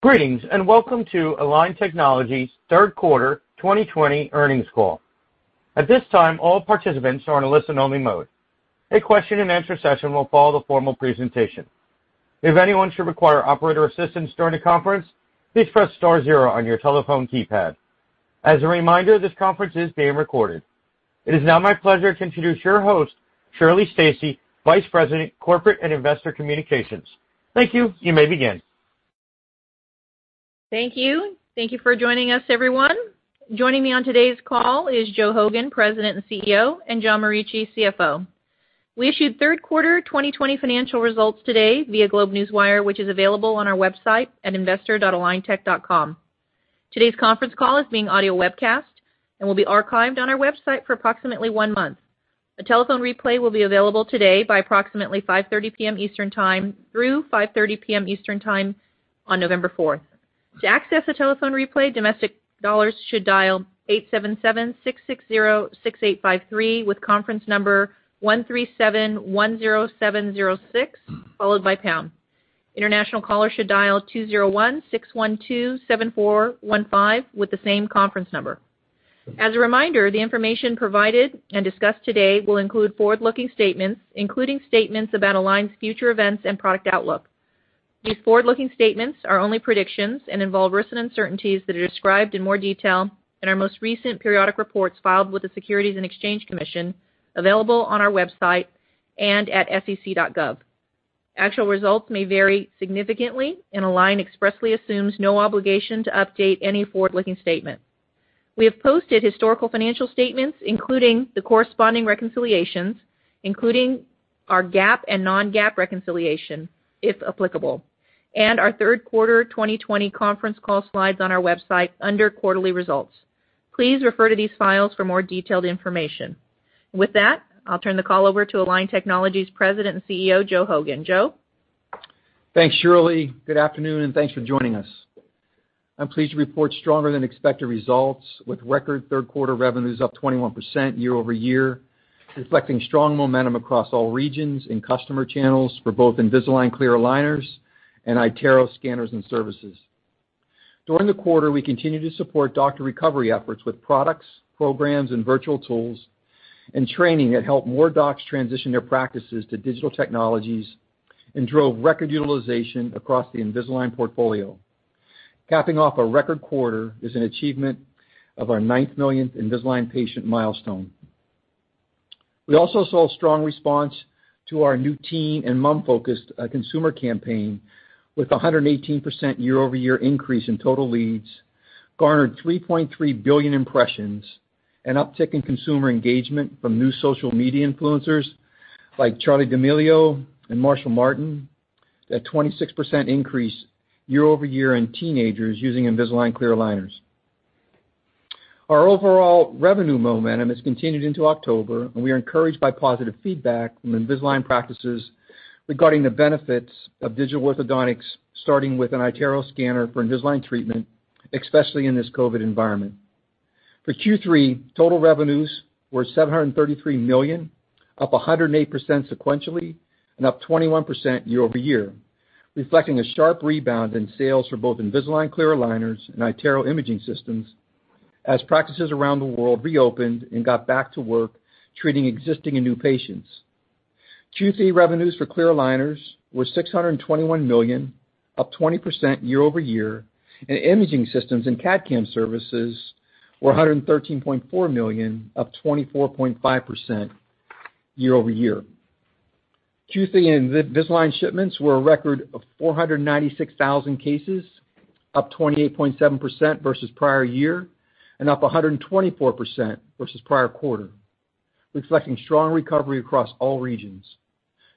It is now my pleasure to introduce your host, Shirley Stacy, Vice President, Corporate and Investor Communications. Thank you. You may begin. Thank you. Thank you for joining us, everyone. Joining me on today's call is Joe Hogan, President and CEO, and John Morici, CFO. We issued third quarter 2020 financial results today via GlobeNewswire, which is available on our website at investor.aligntech.com. Today's conference call is being audio webcast, and will be archived on our website for approximately one month. A telephone replay will be available today by approximately 5:30 P.M. Eastern Time through 5:30 P.M. Eastern Time on November 4th. To access the telephone replay, domestic callers should dial 877-660-6853 with conference number 13710706, followed by pound. International callers should dial 201-612-7415 with the same conference number. As a reminder, the information provided and discussed today will include forward-looking statements, including statements about Align's future events and product outlook. These forward-looking statements are only predictions and involve risks and uncertainties that are described in more detail in our most recent periodic reports filed with the Securities and Exchange Commission, available on our website, and at sec.gov. Actual results may vary significantly. Align expressly assumes no obligation to update any forward-looking statement. We have posted historical financial statements, including the corresponding reconciliations, including our GAAP and non-GAAP reconciliation, if applicable, and our third quarter 2020 conference call slides on our website under quarterly results. Please refer to these files for more detailed information. With that, I'll turn the call over to Align Technology's President and CEO, Joe Hogan. Joe? Thanks, Shirley. Good afternoon, and thanks for joining us. I'm pleased to report stronger than expected results, with record third quarter revenues up 21% year-over-year, reflecting strong momentum across all regions and customer channels for both Invisalign clear aligners and iTero scanners and services. During the quarter, we continued to support doctor recovery efforts with products, programs, and virtual tools and training that helped more docs transition their practices to digital technologies and drove record utilization across the Invisalign portfolio. Capping off a record quarter is an achievement of our nineth million Invisalign patient milestone. We also saw a strong response to our new teen and mom-focused consumer campaign, with 118% year-over-year increase in total leads, garnered 3.3 billion impressions, an uptick in consumer engagement from new social media influencers like Charli D'Amelio and Marsai Martin, a 26% increase year-over-year in teenagers using Invisalign clear aligners. Our overall revenue momentum has continued into October. We are encouraged by positive feedback from Invisalign practices regarding the benefits of digital orthodontics, starting with an iTero scanner for Invisalign treatment, especially in this COVID environment. For Q3, total revenues were $733 million, up 108% sequentially, up 21% year-over-year, reflecting a sharp rebound in sales for both Invisalign clear aligners and iTero imaging systems as practices around the world reopened and got back to work treating existing and new patients. Q3 revenues for clear aligners were $621 million, up 20% year-over-year, and imaging systems and CAD/CAM services were $113.4 million, up 24.5% year-over-year. Q3 Invisalign shipments were a record of 496,000 cases, up 28.7% versus prior year, and up 124% versus prior quarter, reflecting strong recovery across all regions.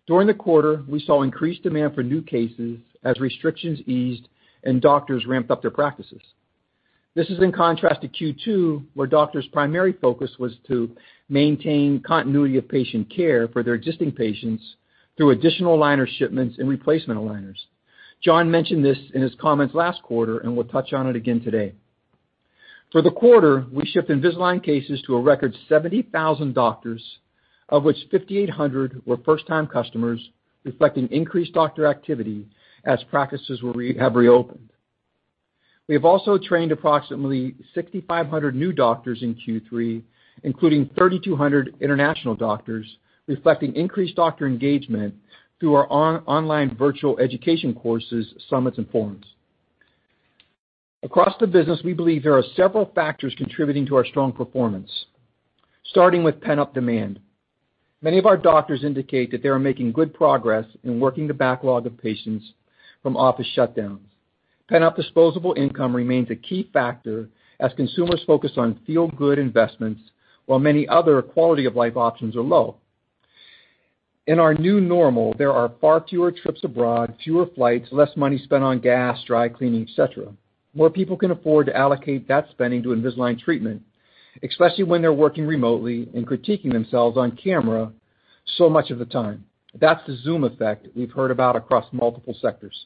During the quarter, we saw increased demand for new cases as restrictions eased and doctors ramped up their practices. This is in contrast to Q2, where doctors' primary focus was to maintain continuity of patient care for their existing patients through additional aligner shipments and replacement aligners. John mentioned this in his comments last quarter and will touch on it again today. For the quarter, we shipped Invisalign cases to a record 70,000 doctors, of which 5,800 were first time customers, reflecting increased doctor activity as practices have reopened. We have also trained approximately 6,500 new doctors in Q3, including 3,200 international doctors, reflecting increased doctor engagement through our online virtual education courses, summits, and forums. Across the business, we believe there are several factors contributing to our strong performance, starting with pent-up demand. Many of our doctors indicate that they are making good progress in working the backlog of patients from office shutdowns. Pent-up disposable income remains a key factor as consumers focus on feel-good investments while many other quality of life options are low. In our new normal, there are far fewer trips abroad, fewer flights, less money spent on gas, dry cleaning, et cetera. More people can afford to allocate that spending to Invisalign treatment, especially when they're working remotely and critiquing themselves on camera so much of the time. That's the Zoom effect we've heard about across multiple sectors.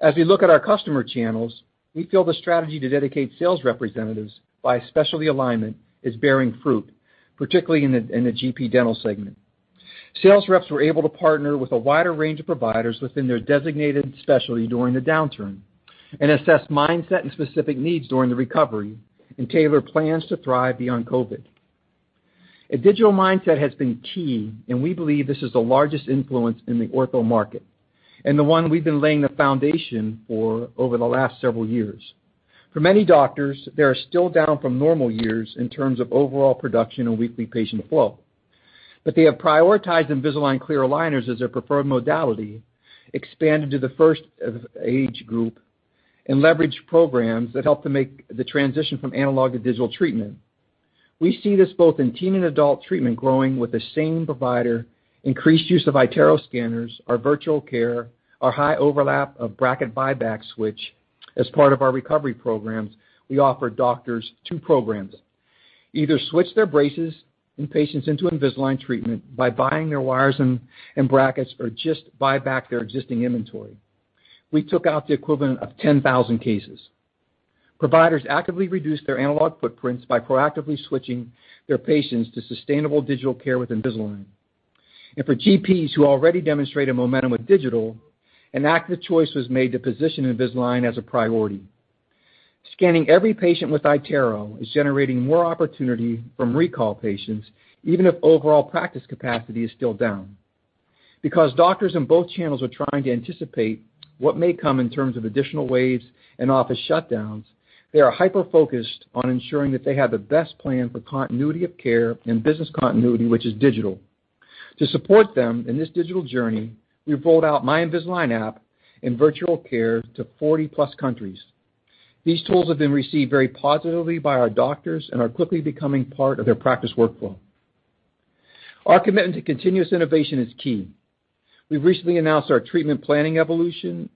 As we look at our customer channels, we feel the strategy to dedicate sales representatives by specialty alignment is bearing fruit, particularly in the GP dental segment. Sales reps were able to partner with a wider range of providers within their designated specialty during the downturn and assess mindset and specific needs during the recovery, and tailor plans to thrive beyond COVID. A digital mindset has been key, and we believe this is the largest influence in the ortho market, and the one we've been laying the foundation for over the last several years. For many doctors, they are still down from normal years in terms of overall production and weekly patient flow. They have prioritized Invisalign clear aligners as their preferred modality, expanded to the first of age group, and leveraged programs that help to make the transition from analog to digital treatment. We see this both in teen and adult treatment growing with the same provider, increased use of iTero scanners, our virtual care, our high overlap of bracket buyback, which, as part of our recovery programs, we offer doctors two programs, either switch their braces and patients into Invisalign treatment by buying their wires and brackets, or just buy back their existing inventory. We took out the equivalent of 10,000 cases. Providers actively reduced their analog footprints by proactively switching their patients to sustainable digital care with Invisalign. For GPs who already demonstrated momentum with digital, an active choice was made to position Invisalign as a priority. Scanning every patient with iTero is generating more opportunity from recall patients, even if overall practice capacity is still down. Doctors in both channels are trying to anticipate what may come in terms of additional waves and office shutdowns, they are hyper-focused on ensuring that they have the best plan for continuity of care and business continuity, which is digital. To support them in this digital journey, we rolled out My Invisalign app and virtual care to 40+ countries. These tools have been received very positively by our doctors and are quickly becoming part of their practice workflow. Our commitment to continuous innovation is key. We've recently announced our treatment planning evolution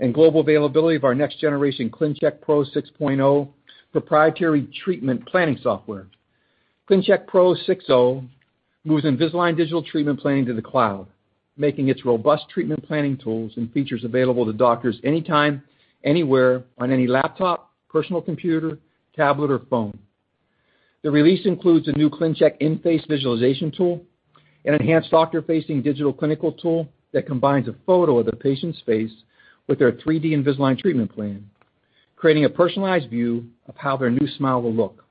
and global availability of our next generation ClinCheck Pro 6.0 proprietary treatment planning software. ClinCheck Pro 6.0 moves Invisalign digital treatment planning to the cloud, making its robust treatment planning tools and features available to doctors anytime, anywhere, on any laptop, personal computer, tablet, or phone. The release includes a new ClinCheck in-face visualization tool, an enhanced doctor-facing digital clinical tool that combines a photo of the patient's face with their 3D Invisalign treatment plan, creating a personalized view of how their new smile will look.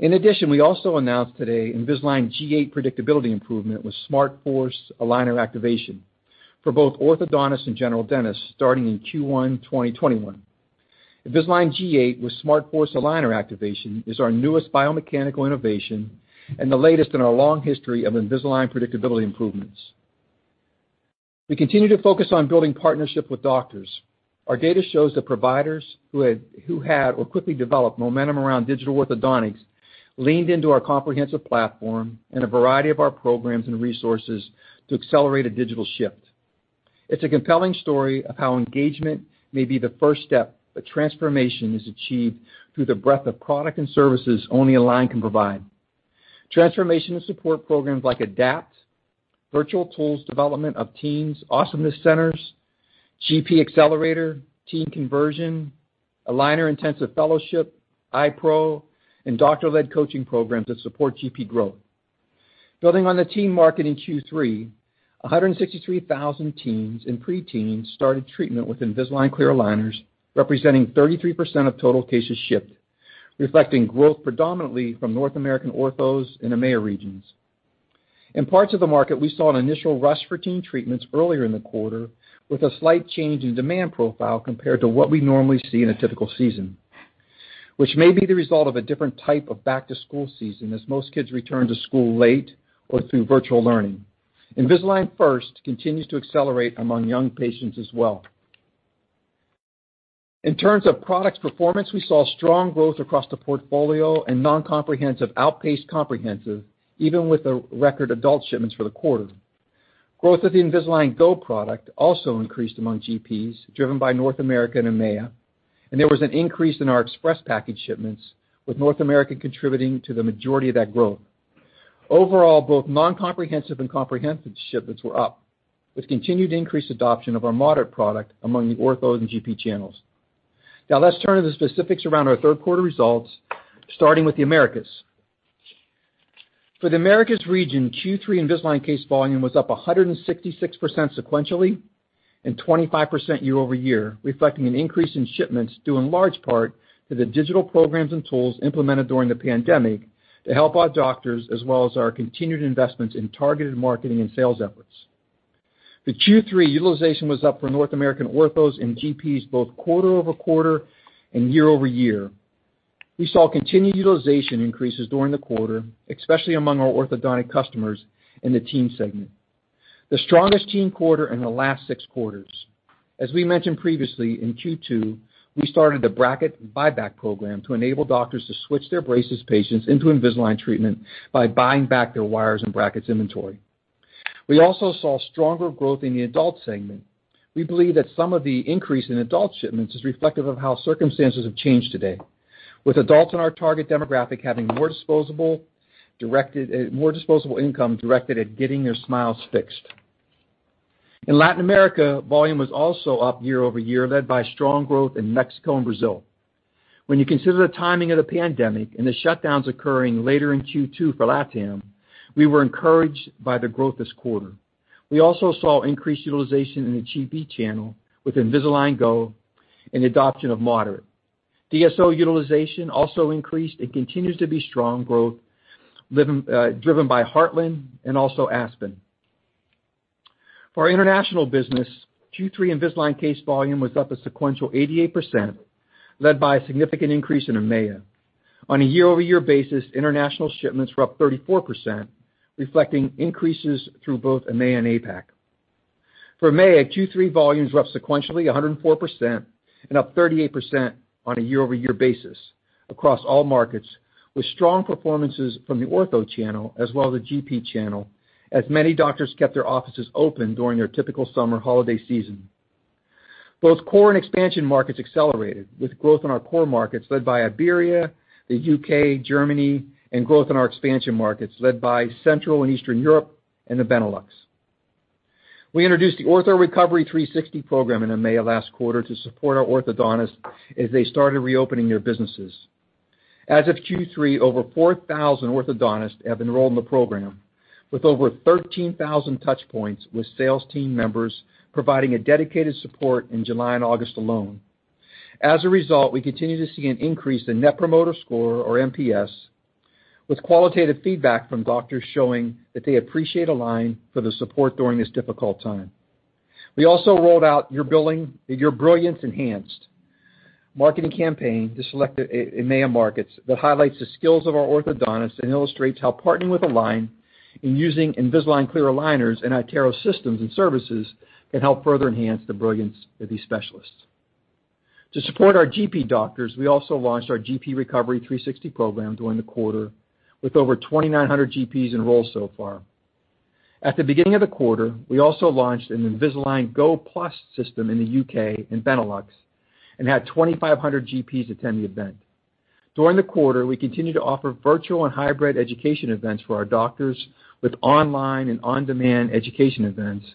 We also announced today Invisalign G8 predictability improvement with SmartForce aligner activation for both orthodontists and general dentists starting in Q1 2021. Invisalign G8 with SmartForce aligner activation is our newest biomechanical innovation and the latest in our long history of Invisalign predictability improvements. We continue to focus on building partnership with doctors. Our data shows that providers who had or quickly developed momentum around digital orthodontics leaned into our comprehensive platform and a variety of our programs and resources to accelerate a digital shift. It's a compelling story of how engagement may be the first step, but transformation is achieved through the breadth of product and services only Align can provide. Transformational support programs like ADAPT, virtual tools development of teens, Awesomeness Centers, GP Accelerator, Teen Conversion, Aligner Intensive Fellowship, iPro, and doctor-led coaching programs that support GP growth. Building on the teen market in Q3, 163,000 teens and preteens started treatment with Invisalign clear aligners, representing 33% of total cases shipped, reflecting growth predominantly from North American orthos in the major regions. In parts of the market, we saw an initial rush for teen treatments earlier in the quarter with a slight change in demand profile compared to what we normally see in a typical season, which may be the result of a different type of back-to-school season as most kids return to school late or through virtual learning. Invisalign First continues to accelerate among young patients as well. In terms of products performance, we saw strong growth across the portfolio and non-comprehensive outpaced comprehensive, even with the record adult shipments for the quarter. Growth of the Invisalign Go product also increased among GPs, driven by North America and EMEA, and there was an increase in our Express Package shipments, with North America contributing to the majority of that growth. Overall, both non-comprehensive and comprehensive shipments were up, with continued increased adoption of our moderate product among the ortho and GP channels. Let's turn to the specifics around our third quarter results, starting with the Americas. For the Americas region, Q3 Invisalign case volume was up 166% sequentially and 25% year-over-year, reflecting an increase in shipments due in large part to the digital programs and tools implemented during the pandemic to help our doctors as well as our continued investments in targeted marketing and sales efforts. The Q3 utilization was up for North American orthos and GPs, both quarter-over-quarter and year-over-year. We saw continued utilization increases during the quarter, especially among our orthodontic customers in the teen segment, the strongest teen quarter in the last six quarters. As we mentioned previously, in Q2, we started a bracket buyback program to enable doctors to switch their braces patients into Invisalign treatment by buying back their wires and brackets inventory. We also saw stronger growth in the adult segment. We believe that some of the increase in adult shipments is reflective of how circumstances have changed today, with adults in our target demographic having more disposable income directed at getting their smiles fixed. In Latin America, volume was also up year-over-year, led by strong growth in Mexico and Brazil. When you consider the timing of the pandemic and the shutdowns occurring later in Q2 for LatAm, we were encouraged by the growth this quarter. We also saw increased utilization in the GP channel with Invisalign Go and adoption of moderate. DSO utilization also increased and continues to be strong growth, driven by Heartland and also Aspen. For our international business, Q3 Invisalign case volume was up a sequential 88%, led by a significant increase in EMEA. On a year-over-year basis, international shipments were up 34%, reflecting increases through both EMEA and APAC. For EMEA, Q3 volumes were up sequentially 104% and up 38% on a year-over-year basis across all markets, with strong performances from the ortho channel as well as the GP channel, as many doctors kept their offices open during their typical summer holiday season. Both core and expansion markets accelerated, with growth in our core markets led by Iberia, the U.K., Germany, and growth in our expansion markets led by Central and Eastern Europe and the Benelux. We introduced the Ortho Recovery 360 program in EMEA last quarter to support our orthodontists as they started reopening their businesses. As of Q3, over 4,000 orthodontists have enrolled in the program, with over 13,000 touch points, with sales team members providing a dedicated support in July and August alone. As a result, we continue to see an increase in Net Promoter Score, or NPS, with qualitative feedback from doctors showing that they appreciate Align for the support during this difficult time. We also rolled out Your Brilliance Enhanced marketing campaign to selected EMEA markets, that highlights the skills of our orthodontists and illustrates how partnering with Align in using Invisalign clear aligners and iTero systems and services can help further enhance the brilliance of these specialists. To support our GP doctors, we also launched our GP Recovery 360 program during the quarter, with over 2,900 GPs enrolled so far. At the beginning of the quarter, we also launched an Invisalign Go Plus system in the U.K. and Benelux and had 2,500 GPs attend the event. During the quarter, we continued to offer virtual and hybrid education events for our doctors with online and on-demand education events,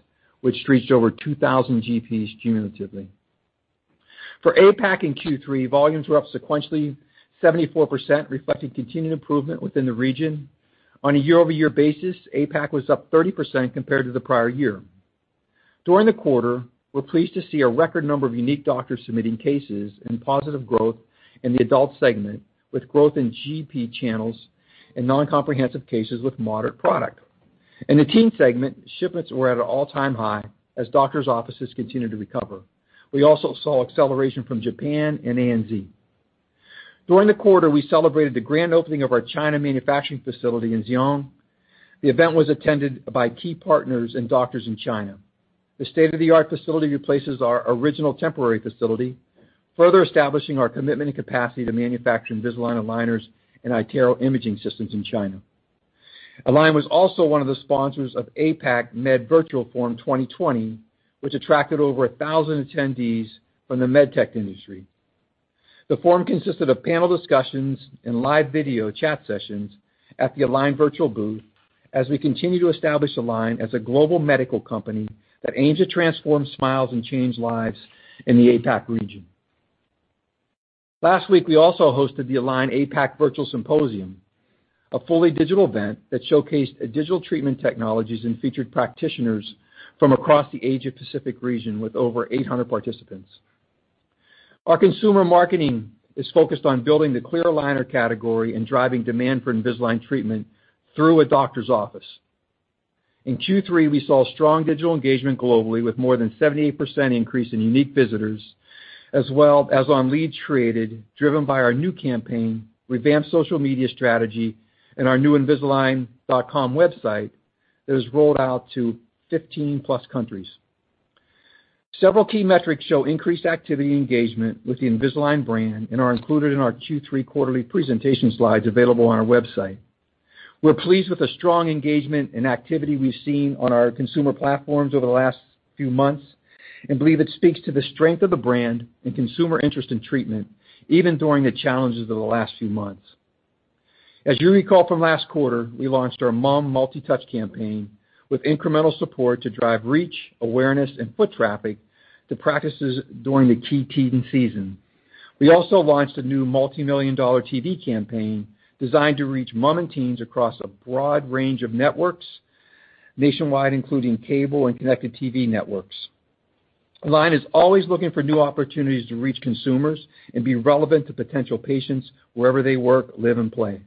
which reached over 2,000 GPs cumulatively. APAC in Q3, volumes were up sequentially 74%, reflecting continued improvement within the region. On a year-over-year basis, APAC was up 30% compared to the prior year. During the quarter, we're pleased to see a record number of unique doctors submitting cases and positive growth in the adult segment, with growth in GP channels and non-comprehensive cases with moderate product. In the teen segment, shipments were at an all-time high as doctors' offices continued to recover. We also saw acceleration from Japan and ANZ. During the quarter, we celebrated the grand opening of our China manufacturing facility in Ziyang. The event was attended by key partners and doctors in China. The state-of-the-art facility replaces our original temporary facility, further establishing our commitment and capacity to manufacture Invisalign aligners and iTero imaging systems in China. Align was also one of the sponsors of APACMed Virtual Forum 2020, which attracted over 1,000 attendees from the med tech industry. The forum consisted of panel discussions and live video chat sessions at the Align virtual booth as we continue to establish Align as a global medical company that aims to transform smiles and change lives in the APAC region. Last week, we also hosted the Align APAC Virtual Symposium, a fully digital event that showcased digital treatment technologies and featured practitioners from across the Asia Pacific region with over 800 participants. Our consumer marketing is focused on building the clear aligner category and driving demand for Invisalign treatment through a doctor's office. In Q3, we saw strong digital engagement globally with more than 78% increase in unique visitors, as well as on leads created, driven by our new campaign, revamped social media strategy, and our new invisalign.com website that was rolled out to 15+ countries. Several key metrics show increased activity engagement with the Invisalign brand and are included in our Q3 quarterly presentation slides available on our website. We're pleased with the strong engagement and activity we've seen on our consumer platforms over the last few months and believe it speaks to the strength of the brand and consumer interest in treatment, even during the challenges of the last few months. As you recall from last quarter, we launched our Mom multi-touch campaign with incremental support to drive reach, awareness, and foot traffic to practices during the key teen season. We also launched a new multimillion-dollar TV campaign designed to reach mom and teens across a broad range of networks nationwide, including cable and connected TV networks. Align is always looking for new opportunities to reach consumers and be relevant to potential patients wherever they work, live, and play.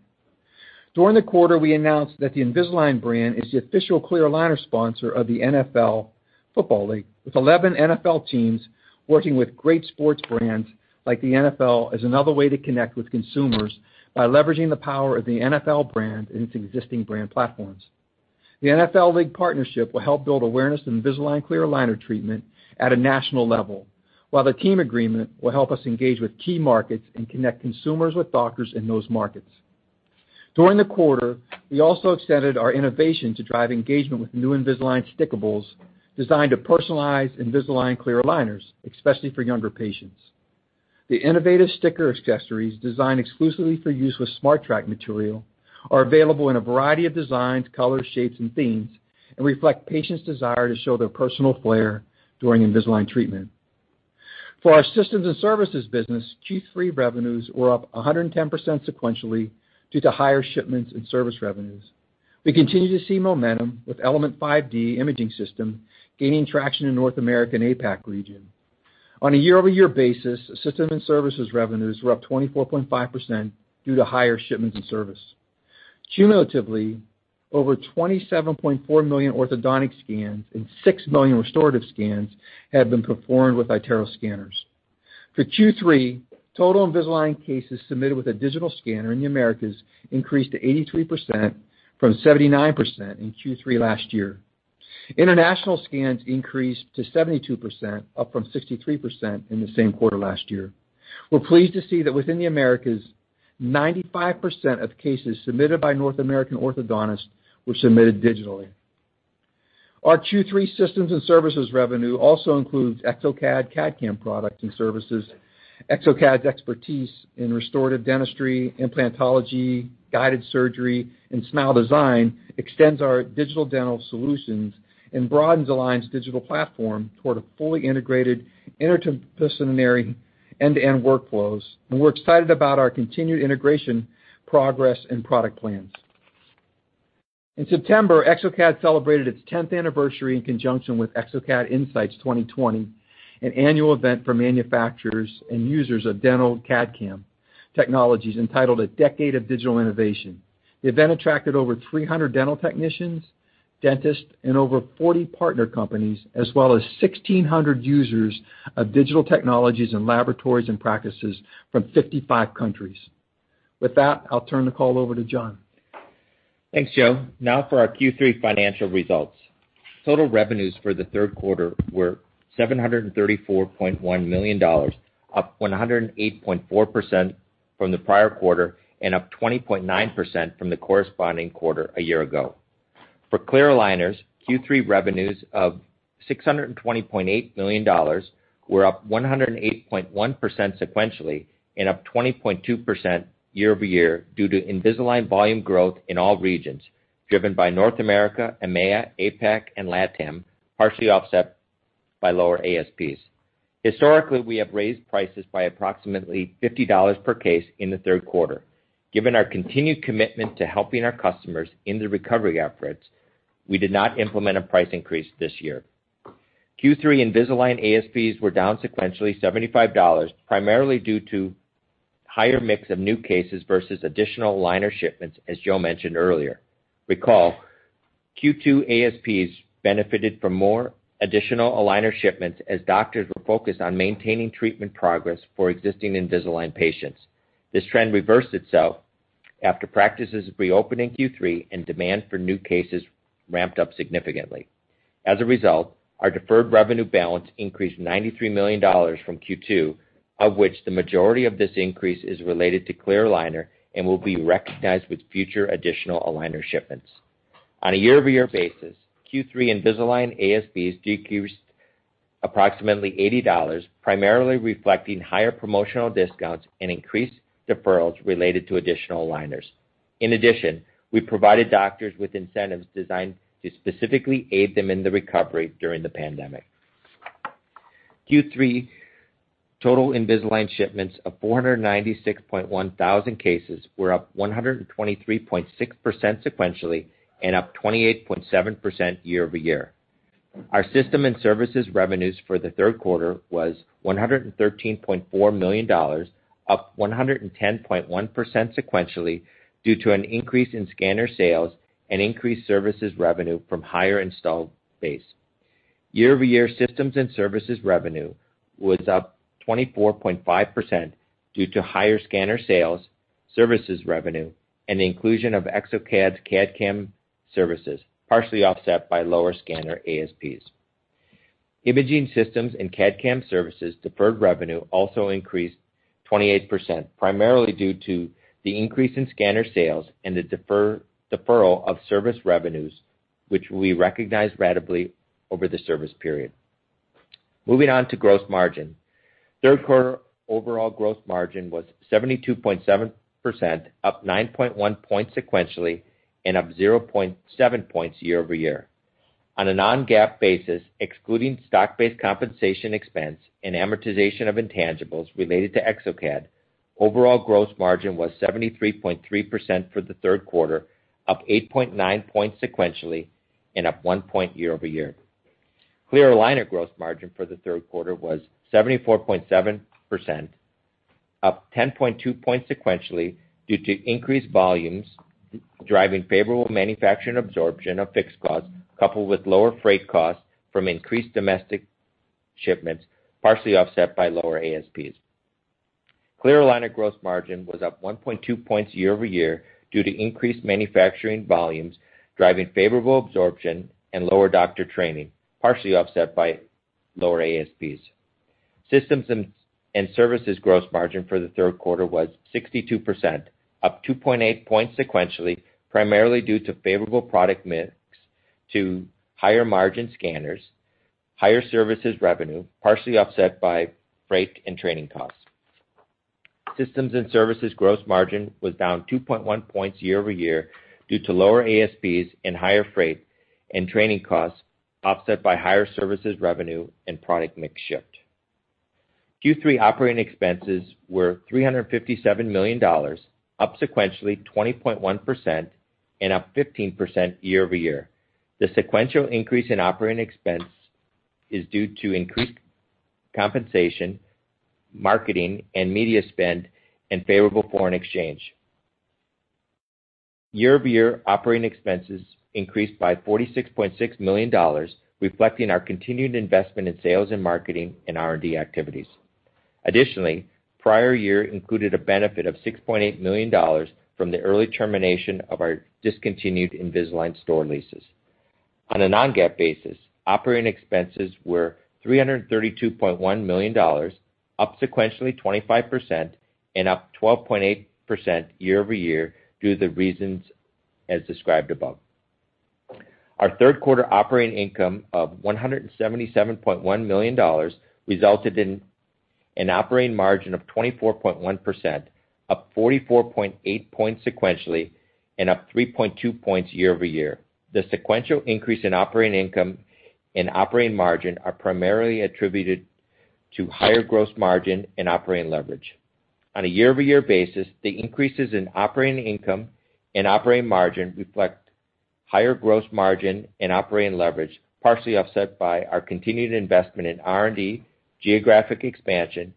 During the quarter, we announced that the Invisalign brand is the official clear aligner sponsor of the NFL football league, with 11 NFL teams working with great sports brands like the NFL as another way to connect with consumers by leveraging the power of the NFL brand and its existing brand platforms. The NFL league partnership will help build awareness of Invisalign clear aligner treatment at a national level, while the team agreement will help us engage with key markets and connect consumers with doctors in those markets. During the quarter, we also extended our innovation to drive engagement with new Invisalign Stickables, designed to personalize Invisalign clear aligners, especially for younger patients. The innovative sticker accessories, designed exclusively for use with SmartTrack material, are available in a variety of designs, colors, shapes, and themes, and reflect patients' desire to show their personal flair during Invisalign treatment. For our systems and services business, Q3 revenues were up 110% sequentially due to higher shipments and service revenues. We continue to see momentum, with Element 5D imaging system gaining traction in North America and APAC region. On a year-over-year basis, system and services revenues were up 24.5% due to higher shipments and service. Cumulatively, over 27.4 million orthodontic scans and six million restorative scans have been performed with iTero scanners. For Q3, total Invisalign cases submitted with a digital scanner in the Americas increased to 83% from 79% in Q3 last year. International scans increased to 72%, up from 63% in the same quarter last year. We're pleased to see that within the Americas, 95% of cases submitted by North American orthodontists were submitted digitally. Our Q3 systems and services revenue also includes exocad CAD/CAM products and services. exocad's expertise in restorative dentistry, implantology, guided surgery, and smile design extends our digital dental solutions and broadens Align's digital platform toward a fully integrated interdisciplinary end-to-end workflows. We're excited about our continued integration progress and product plans. In September, exocad celebrated its 10th anniversary in conjunction with exocad Insights 2020, an annual event for manufacturers and users of dental CAD/CAM technologies, entitled A Decade of Digital Innovation. The event attracted over 300 dental technicians, dentists, and over 40 partner companies, as well as 1,600 users of digital technologies in laboratories and practices from 55 countries. With that, I'll turn the call over to John. Thanks, Joe. For our Q3 financial results. Total revenues for the third quarter were $734.1 million, up 108.4% from the prior quarter, and up 20.9% from the corresponding quarter a year-ago. For clear aligners, Q3 revenues of $620.8 million were up 108.1% sequentially, and up 20.2% year-over-year due to Invisalign volume growth in all regions, driven by North America, EMEA, APAC, and LATAM, partially offset by lower ASPs. Historically, we have raised prices by approximately $50 per case in the third quarter. Given our continued commitment to helping our customers in their recovery efforts, we did not implement a price increase this year. Q3 Invisalign ASPs were down sequentially $75, primarily due to higher mix of new cases versus additional aligner shipments, as Joe mentioned earlier. Recall, Q2 ASPs benefited from more additional aligner shipments as doctors were focused on maintaining treatment progress for existing Invisalign patients. This trend reversed itself after practices reopened in Q3 and demand for new cases ramped up significantly. As a result, our deferred revenue balance increased $93 million from Q2, of which the majority of this increase is related to clear aligner and will be recognized with future additional aligner shipments. On a year-over-year basis, Q3 Invisalign ASPs decreased approximately $80, primarily reflecting higher promotional discounts and increased deferrals related to additional aligners. In addition, we provided doctors with incentives designed to specifically aid them in their recovery during the pandemic. Q3 total Invisalign shipments of 496,100 cases were up 123.6% sequentially and up 28.7% year-over-year. Our system and services revenues for the third quarter was $113.4 million, up 110.1% sequentially due to an increase in scanner sales and increased services revenue from higher installed base. Year-over-year systems and services revenue was up 24.5% due to higher scanner sales, services revenue, and the inclusion of exocad's CAD/CAM services, partially offset by lower scanner ASPs. Imaging systems and CAD/CAM services deferred revenue also increased 28%, primarily due to the increase in scanner sales and the deferral of service revenues, which we recognize ratably over the service period. Moving on to gross margin. Third quarter overall gross margin was 72.7%, up 9.1 points sequentially and up 0.7 points year-over-year. On a non-GAAP basis, excluding stock-based compensation expense and amortization of intangibles related to exocad, overall gross margin was 73.3% for the third quarter, up 8.9 points sequentially and up 1 point year-over-year. Clear aligner gross margin for the third quarter was 74.7%, up 10.2 points sequentially due to increased volumes driving favorable manufacturing absorption of fixed costs, coupled with lower freight costs from increased domestic shipments, partially offset by lower ASPs. Clear aligner gross margin was up 1.2 points year-over-year due to increased manufacturing volumes driving favorable absorption and lower doctor training, partially offset by lower ASPs. Systems and services gross margin for the third quarter was 62%, up 2.8 points sequentially, primarily due to favorable product mix to higher margin scanners, higher services revenue, partially offset by freight and training costs. Systems and services gross margin was down 2.1 points year-over-year due to lower ASPs and higher freight and training costs, offset by higher services revenue and product mix shift. Q3 operating expenses were $357 million, up sequentially 20.1% and up 15% year-over-year. The sequential increase in operating expense is due to increased compensation, marketing and media spend, and favorable foreign exchange. Year-over-year operating expenses increased by $46.6 million, reflecting our continued investment in sales and marketing and R&D activities. Additionally, prior year included a benefit of $6.8 million from the early termination of our discontinued Invisalign store leases. On a non-GAAP basis, operating expenses were $332.1 million, up sequentially 25% and up 12.8% year-over-year due to the reasons as described above. Our third quarter operating income of $177.1 million resulted in an operating margin of 24.1%, up 44.8 points sequentially and up 3.2 points year-over-year. The sequential increase in operating income and operating margin are primarily attributed to higher gross margin and operating leverage. On a year-over-year basis, the increases in operating income and operating margin reflect higher gross margin and operating leverage, partially offset by our continued investment in R&D, geographic expansion,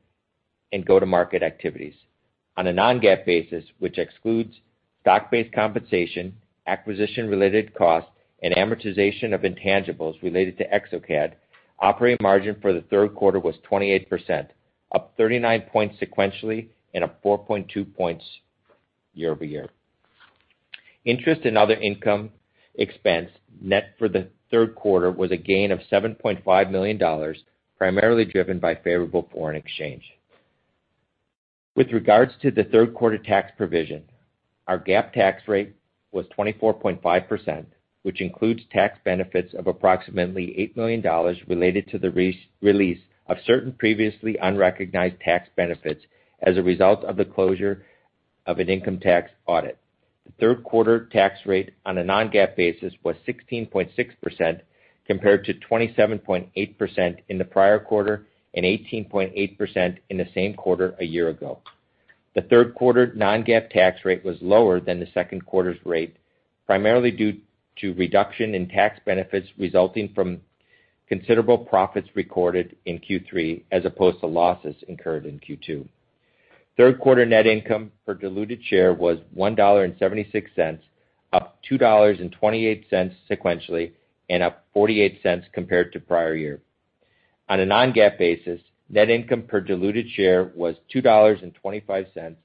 and go-to-market activities. On a non-GAAP basis, which excludes stock-based compensation, acquisition related costs, and amortization of intangibles related to exocad, operating margin for the third quarter was 28%, up 39 points sequentially and up 4.2 points year-over-year. Interest and other income expense net for the third quarter was a gain of $7.5 million, primarily driven by favorable foreign exchange. With regards to the third quarter tax provision, our GAAP tax rate was 24.5%, which includes tax benefits of approximately $8 million related to the release of certain previously unrecognized tax benefits as a result of the closure of an income tax audit. The third quarter tax rate on a non-GAAP basis was 16.6% compared to 27.8% in the prior quarter and 18.8% in the same quarter a year ago. The third quarter non-GAAP tax rate was lower than the second quarter's rate, primarily due to reduction in tax benefits resulting from considerable profits recorded in Q3 as opposed to losses incurred in Q2. Third quarter net income per diluted share was $1.76, up $2.28 sequentially and up $0.48 compared to prior year. On a non-GAAP basis, net income per diluted share was $2.25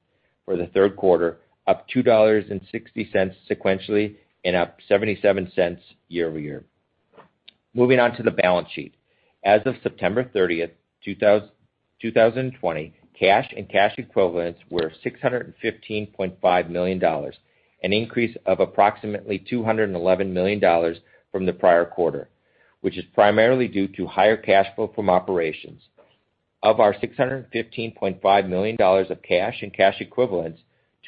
for the third quarter, up $2.60 sequentially and up $0.77 year-over-year. Moving on to the balance sheet. As of September 30, 2020, cash and cash equivalents were $615.5 million, an increase of approximately $211 million from the prior quarter, which is primarily due to higher cash flow from operations. Of our $615.5 million of cash and cash equivalents,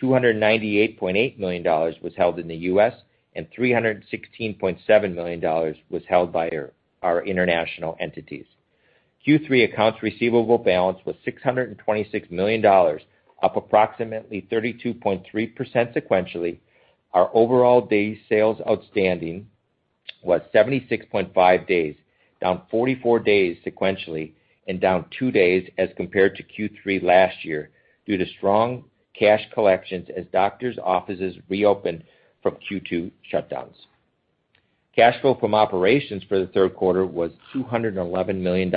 $298.8 million was held in the U.S. and $316.7 million was held by our international entities. Q3 accounts receivable balance was $626 million, up approximately 32.3% sequentially. Our overall day sales outstanding was 76.5 days, down 44 days sequentially, and down two days as compared to Q3 last year due to strong cash collections as doctors' offices reopened from Q2 shutdowns. Cash flow from operations for the third quarter was $211 million.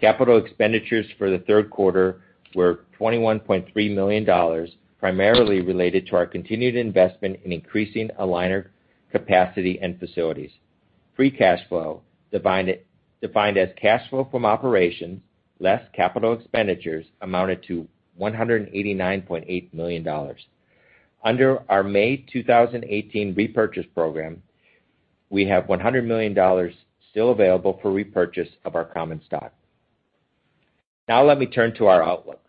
Capital expenditures for the third quarter were $21.3 million, primarily related to our continued investment in increasing aligner capacity and facilities. Free cash flow, defined as cash flow from operations less capital expenditures, amounted to $189.8 million. Under our May 2018 repurchase program, we have $100 million still available for repurchase of our common stock. Let me turn to our outlook.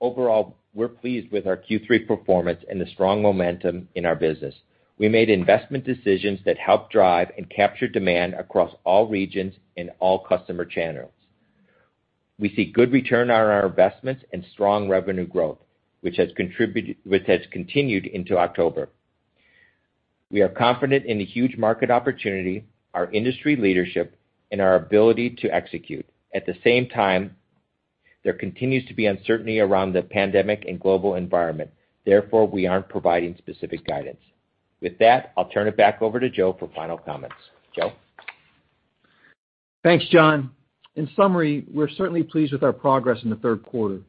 Overall, we're pleased with our Q3 performance and the strong momentum in our business. We made investment decisions that help drive and capture demand across all regions and all customer channels. We see good return on our investments and strong revenue growth, which has continued into October. We are confident in the huge market opportunity, our industry leadership, and our ability to execute. At the same time, there continues to be uncertainty around the pandemic and global environment, therefore, we aren't providing specific guidance. With that, I'll turn it back over to Joe for final comments. Joe? Thanks, John. In summary, we're certainly pleased with our progress in the third quarter.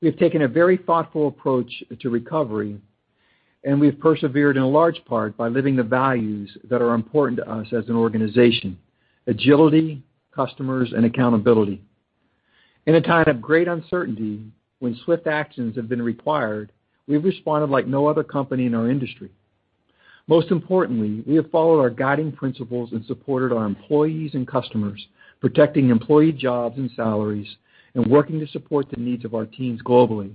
We have taken a very thoughtful approach to recovery, and we've persevered in a large part by living the values that are important to us as an organization: agility, customers, and accountability. In a time of great uncertainty, when swift actions have been required, we've responded like no other company in our industry. Most importantly, we have followed our guiding principles and supported our employees and customers, protecting employee jobs and salaries, and working to support the needs of our teams globally,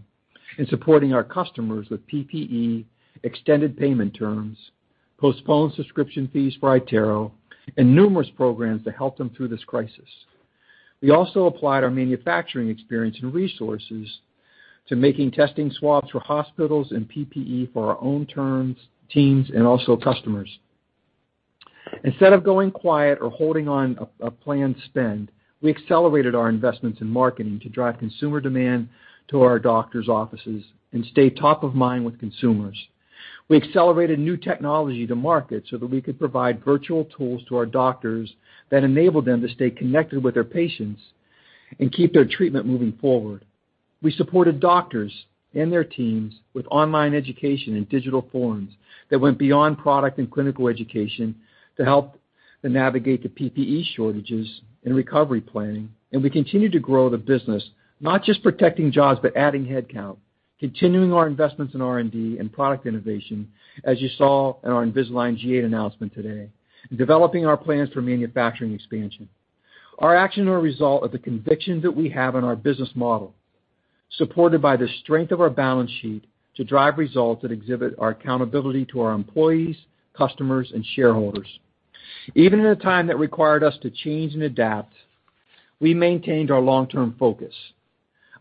and supporting our customers with PPE, extended payment terms, postponed subscription fees for iTero, and numerous programs to help them through this crisis. We also applied our manufacturing experience and resources to making testing swabs for hospitals and PPE for our own teams and also customers. Instead of going quiet or holding on a planned spend, we accelerated our investments in marketing to drive consumer demand to our doctors' offices and stay top of mind with consumers. We accelerated new technology to market so that we could provide virtual tools to our doctors that enabled them to stay connected with their patients and keep their treatment moving forward. We supported doctors and their teams with online education and digital forums that went beyond product and clinical education to help them navigate the PPE shortages and recovery planning. We continued to grow the business, not just protecting jobs, but adding headcount, continuing our investments in R&D and product innovation as you saw in our Invisalign G8 announcement today, and developing our plans for manufacturing expansion. Our actions are a result of the conviction that we have in our business model, supported by the strength of our balance sheet to drive results that exhibit our accountability to our employees, customers, and shareholders. Even in a time that required us to change and adapt, we maintained our long-term focus.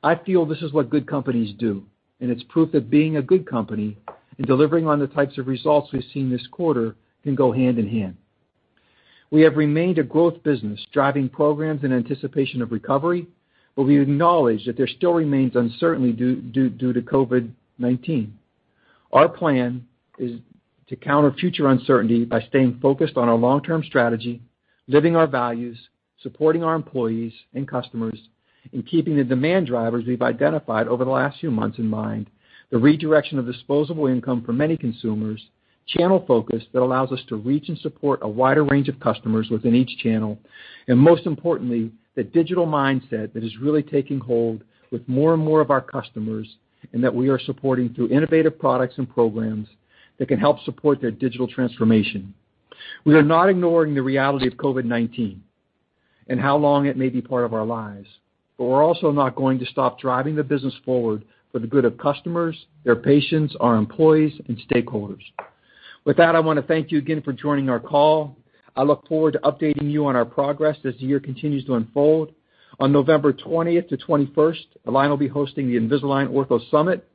I feel this is what good companies do, and it's proof that being a good company and delivering on the types of results we've seen this quarter can go hand in hand. We have remained a growth business, driving programs in anticipation of recovery, but we acknowledge that there still remains uncertainty due to COVID-19. Our plan is to counter future uncertainty by staying focused on our long-term strategy, living our values, supporting our employees and customers, and keeping the demand drivers we've identified over the last few months in mind, the redirection of disposable income for many consumers, channel focus that allows us to reach and support a wider range of customers within each channel, and most importantly, the digital mindset that is really taking hold with more and more of our customers, and that we are supporting through innovative products and programs that can help support their digital transformation. We are not ignoring the reality of COVID-19 and how long it may be part of our lives, but we're also not going to stop driving the business forward for the good of customers, their patients, our employees, and stakeholders. With that, I want to thank you again for joining our call. I look forward to updating you on our progress as the year continues to unfold. On November 20th to 21st, Align will be hosting the Invisalign Ortho Summit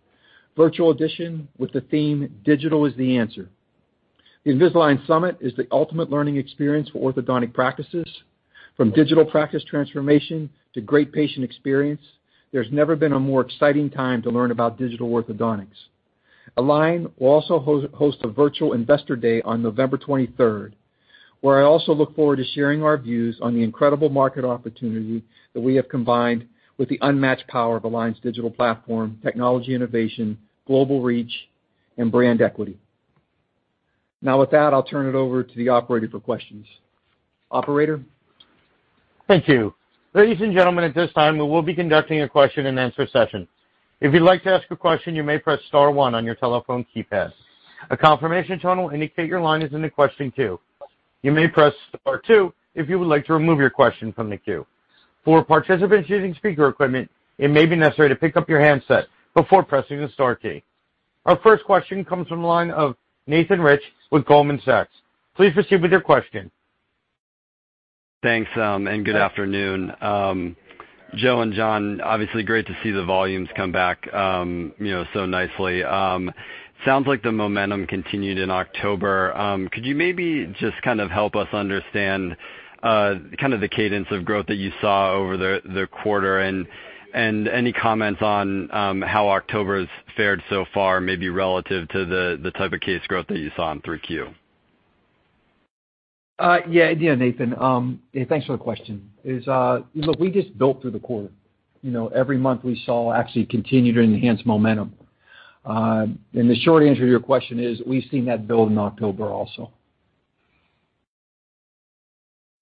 Virtual Edition with the theme, Digital Is The Answer. The Invisalign Summit is the ultimate learning experience for orthodontic practices. From digital practice transformation to great patient experience, there's never been a more exciting time to learn about digital orthodontics. Align will also host a virtual Investor Day on November 23rd, where I also look forward to sharing our views on the incredible market opportunity that we have combined with the unmatched power of Align Technology's digital platform, technology innovation, global reach, and brand equity. Now with that, I'll turn it over to the operator for questions. Operator? Ladies and gentlemen, at this time, we'll be conducting a question-and-answer session. If you'd like to ask a question, you may press star one on your telephone keypad. A confirmation tone will indicate your line is in the question queue. You may press star two if you would like to remove your question from the queue. For participants using speaker equipment, it may be necessary to pick up your handset before pressing star key. Our first question comes from the line of Nathan Rich with Goldman Sachs. Please proceed with your question. Thanks, good afternoon. Joe and John, obviously great to see the volumes come back so nicely. Sounds like the momentum continued in October. Could you maybe just kind of help us understand the cadence of growth that you saw over the quarter, and any comments on how October's fared so far, maybe relative to the type of case growth that you saw in 3Q? Yeah, Nathan. Hey, thanks for the question. Look, we just built through the quarter. Every month we saw actually continued or enhanced momentum. The short answer to your question is, we've seen that build in October also.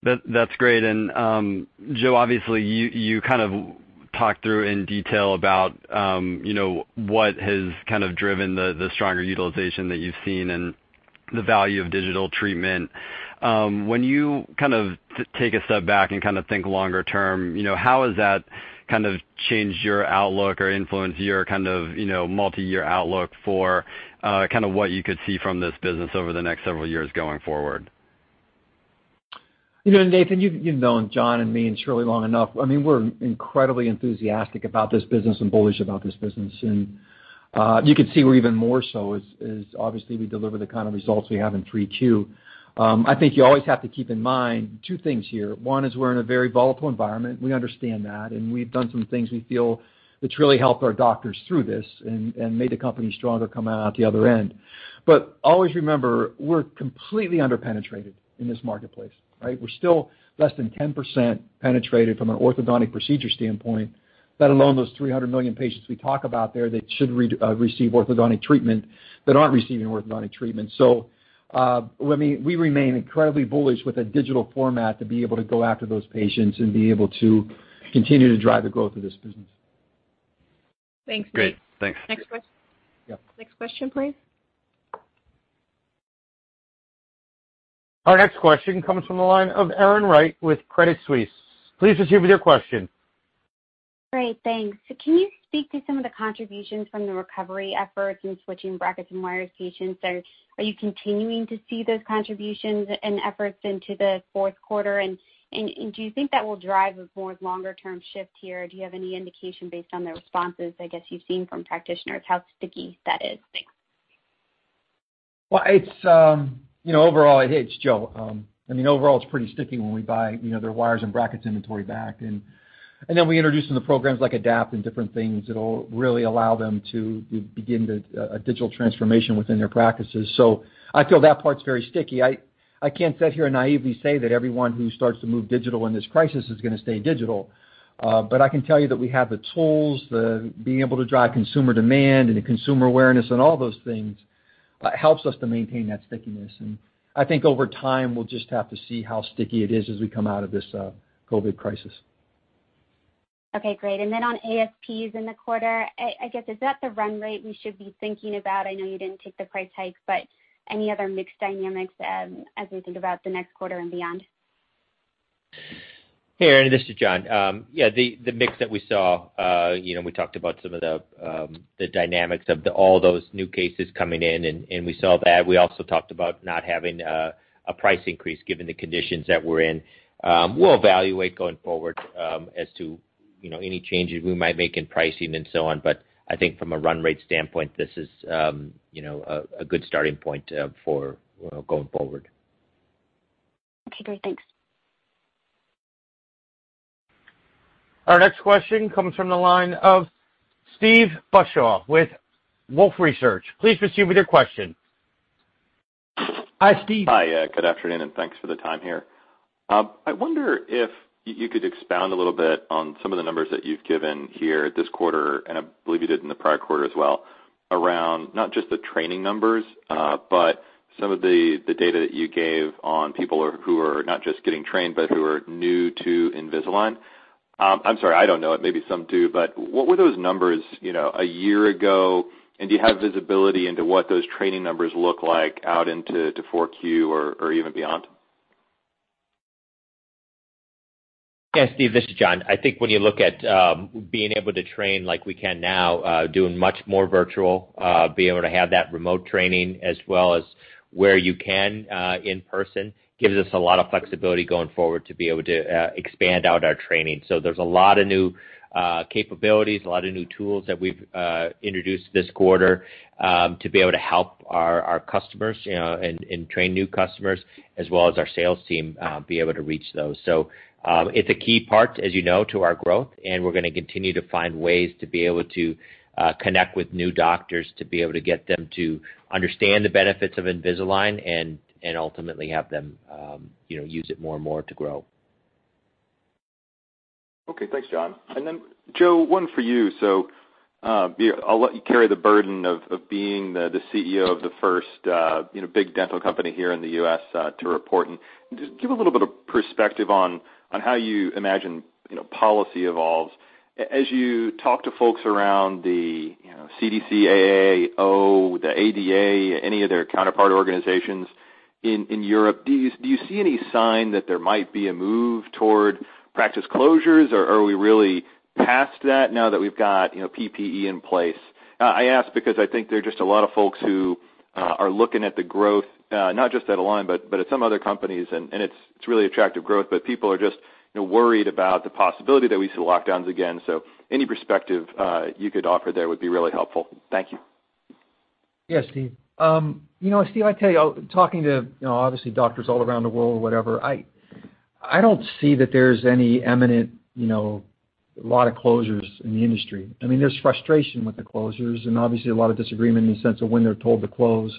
That's great. Joe, obviously, you kind of talked through in detail about what has kind of driven the stronger utilization that you've seen and the value of digital treatment. When you kind of take a step back and kind of think longer term, how has that kind of changed your outlook or influenced your multi-year outlook for what you could see from this business over the next several years going forward? Nathan, you've known John and me and Shirley long enough. I mean, we're incredibly enthusiastic about this business and bullish about this business. You can see we're even more so as, obviously, we deliver the kind of results we have in 3Q. I think you always have to keep in mind two things here. One is we're in a very volatile environment. We understand that, and we've done some things we feel that's really helped our doctors through this and made the company stronger coming out the other end. Always remember, we're completely under-penetrated in this marketplace, right? We're still less than 10% penetrated from an orthodontic procedure standpoint, let alone those 300 million patients we talk about there that should receive orthodontic treatment that aren't receiving orthodontic treatment. We remain incredibly bullish with a digital format to be able to go after those patients and be able to continue to drive the growth of this business. Thanks, Rich. Great. Thanks. Next question. Yeah. Next question, please. Our next question comes from the line of Erin Wright with Credit Suisse. Please proceed with your question. Great, thanks. Can you speak to some of the contributions from the recovery efforts in switching brackets and wires patients? Are you continuing to see those contributions and efforts into the fourth quarter? Do you think that will drive a more longer-term shift here? Do you have any indication based on the responses, I guess you've seen from practitioners, how sticky that is? Thanks. Well, overall, hey, it's Joe. I mean, overall, it's pretty sticky when we buy their wires and brackets inventory back, and then we introduce them to programs like ADAPT and different things that'll really allow them to begin a digital transformation within their practices. I feel that part's very sticky. I can't sit here and naively say that everyone who starts to move digital in this crisis is going to stay digital. I can tell you that we have the tools, the being able to drive consumer demand and the consumer awareness and all those things, helps us to maintain that stickiness. I think over time, we'll just have to see how sticky it is as we come out of this COVID crisis. Okay, great. On ASPs in the quarter, I guess, is that the run-rate we should be thinking about? I know you didn't take the price hike, any other mix dynamics as we think about the next quarter and beyond? Hey, Erin, this is John. Yeah, the mix that we saw, we talked about some of the dynamics of all those new cases coming in, and we saw that. We also talked about not having a price increase given the conditions that we're in. We'll evaluate going forward as to any changes we might make in pricing and so on. I think from a run-rate standpoint, this is a good starting point for going forward. Okay, great. Thanks. Our next question comes from the line of Steve Beuchaw with Wolfe Research. Please proceed with your question. Hi, Steve. Hi. Good afternoon, and thanks for the time here. I wonder if you could expound a little bit on some of the numbers that you've given here this quarter, I believe you did in the prior quarter as well, around not just the training numbers, but some of the data that you gave on people who are not just getting trained, but who are new to Invisalign? I'm sorry, I don't know, maybe some do, but what were those numbers a year ago, and do you have visibility into what those training numbers look like out into 4Q or even beyond? Yeah, Steve, this is John. I think when you look at being able to train like we can now, doing much more virtual, being able to have that remote training as well as where you can in person, gives us a lot of flexibility going forward to be able to expand out our training. There's a lot of new capabilities, a lot of new tools that we've introduced this quarter, to be able to help our customers and train new customers, as well as our sales team be able to reach those. It's a key part, as you know, to our growth, and we're going to continue to find ways to be able to connect with new doctors, to be able to get them to understand the benefits of Invisalign and ultimately have them use it more and more to grow. Okay, thanks, John. Then Joe, one for you. I'll let you carry the burden of being the CEO of the first big dental company here in the U.S. to report. Just give a little bit of perspective on how you imagine policy evolves. As you talk to folks around the CDC, AAO, the ADA, any of their counterpart organizations in Europe, do you see any sign that there might be a move toward practice closures, or are we really past that now that we've got PPE in place? I ask because I think there are just a lot of folks who are looking at the growth, not just at Align, but at some other companies, and it's really attractive growth, but people are just worried about the possibility that we see lockdowns again. Any perspective you could offer there would be really helpful. Thank you. Yeah, Steve. Steve, I tell you, talking to obviously doctors all around the world, whatever, I don't see that there's any imminent lot of closures in the industry. There's frustration with the closures and obviously a lot of disagreement in the sense of when they're told to close.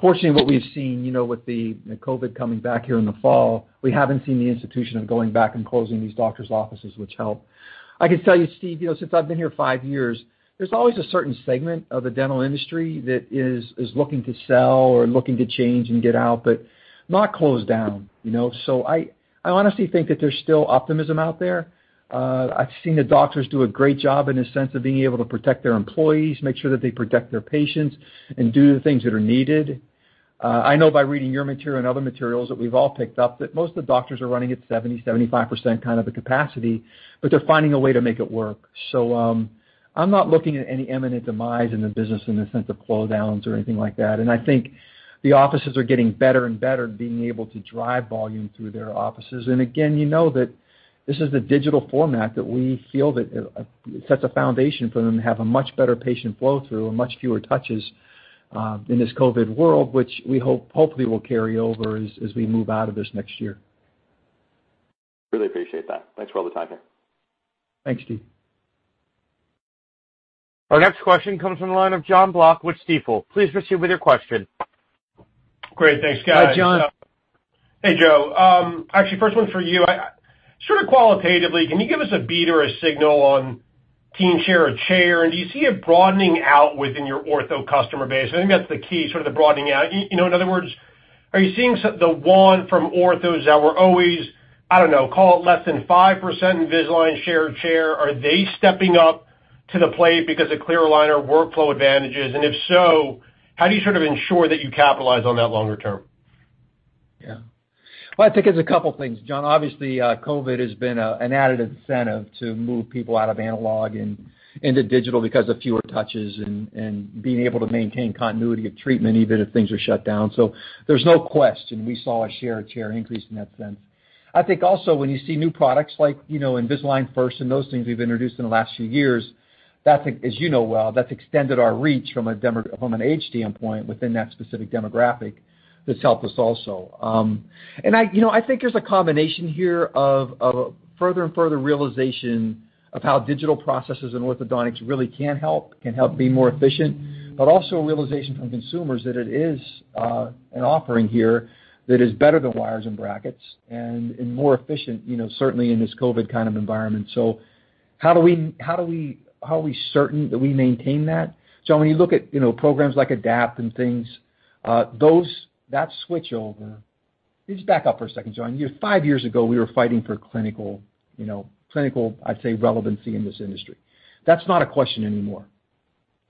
Fortunately, what we've seen with the COVID coming back here in the fall, we haven't seen the institution of going back and closing these doctor's offices, which help. I can tell you, Steve, since I've been here five years, there's always a certain segment of the dental industry that is looking to sell or looking to change and get out, but not close down. I honestly think that there's still optimism out there. I've seen the doctors do a great job in the sense of being able to protect their employees, make sure that they protect their patients, and do the things that are needed. I know by reading your material and other materials that we've all picked up, that most of the doctors are running at 70%, 75% kind of a capacity, but they're finding a way to make it work. I'm not looking at any eminent demise in the business in the sense of close downs or anything like that. I think the offices are getting better and better at being able to drive volume through their offices. Again, you know that this is the digital format that we feel that sets a foundation for them to have a much better patient flow through and much fewer touches, in this COVID world, which we hope hopefully will carry over as we move out of this next year. Really appreciate that. Thanks for all the time here. Thanks, Steve. Our next question comes from the line of John Block with Stifel. Please proceed with your question. Great. Thanks, guys. Hi, John. Hey, Joe. Actually, first one's for you. Sort of qualitatively, can you give us a beat or a signal on teen share of chair? Do you see a broadening out within your ortho customer base? I think that's the key, sort of the broadening out. In other words. Are you seeing the want from orthos that were always, I don't know, call it less than 5% Invisalign share of chair? Are they stepping up to the plate because of clear aligner workflow advantages? If so, how do you sort of ensure that you capitalize on that longer term? Well, I think it's a couple things, John. Obviously, COVID has been an added incentive to move people out of analog and into digital because of fewer touches and being able to maintain continuity of treatment even if things are shut down. There's no question we saw a share of chair increase in that sense. I think also when you see new products like Invisalign First and those things we've introduced in the last few years, as you know well, that's extended our reach from an HDM point within that specific demographic. That's helped us also. I think there's a combination here of a further and further realization of how digital processes and orthodontics really can help be more efficient, but also a realization from consumers that it is an offering here that is better than wires and brackets and more efficient, certainly in this COVID kind of environment. How are we certain that we maintain that? When you look at programs like ADAPT and things, let me just back up for a second, John. Five years ago, we were fighting for clinical, I'd say relevancy in this industry. That's not a question anymore.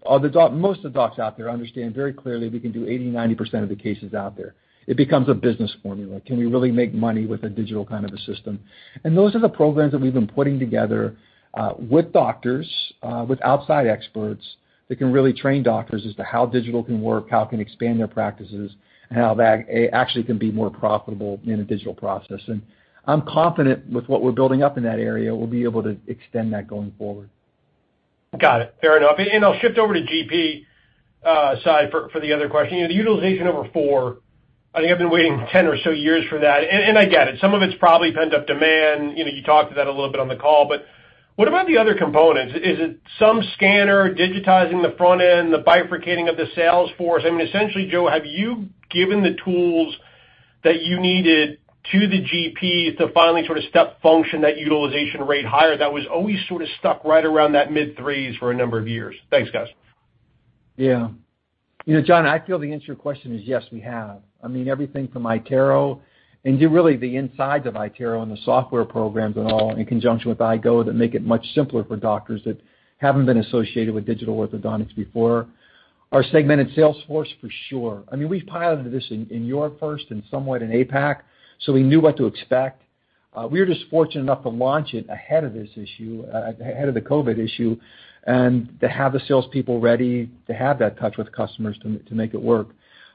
Most of the docs out there understand very clearly we can do 80%, 90% of the cases out there. It becomes a business formula. Can we really make money with a digital kind of a system? Those are the programs that we've been putting together with doctors, with outside experts, that can really train doctors as to how digital can work, how it can expand their practices, and how that actually can be more profitable in a digital process. I'm confident with what we're building up in that area, we'll be able to extend that going forward. Got it. Fair enough. I'll shift over to GP side for the other question. The utilization over four, I think I've been waiting 10 or so years for that, and I get it. Some of it's probably pent-up demand. You talked to that a little bit on the call, but what about the other components? Is it some scanner digitizing the front end, the bifurcating of the sales force? I mean, essentially, Joe, have you given the tools that you needed to the GP to finally sort of step function that utilization rate higher that was always sort of stuck right around that mid threes for a number of years? Thanks, guys. Yeah. John, I feel the answer to your question is yes, we have. I mean, everything from iTero and really the insides of iTero and the software programs and all in conjunction with Invisalign Go that make it much simpler for doctors that haven't been associated with digital orthodontics before. Our segmented sales force for sure. I mean, we've piloted this in Europe first and somewhat in APAC, so we knew what to expect. We were just fortunate enough to launch it ahead of the COVID issue and to have the salespeople ready to have that touch with customers to make it work.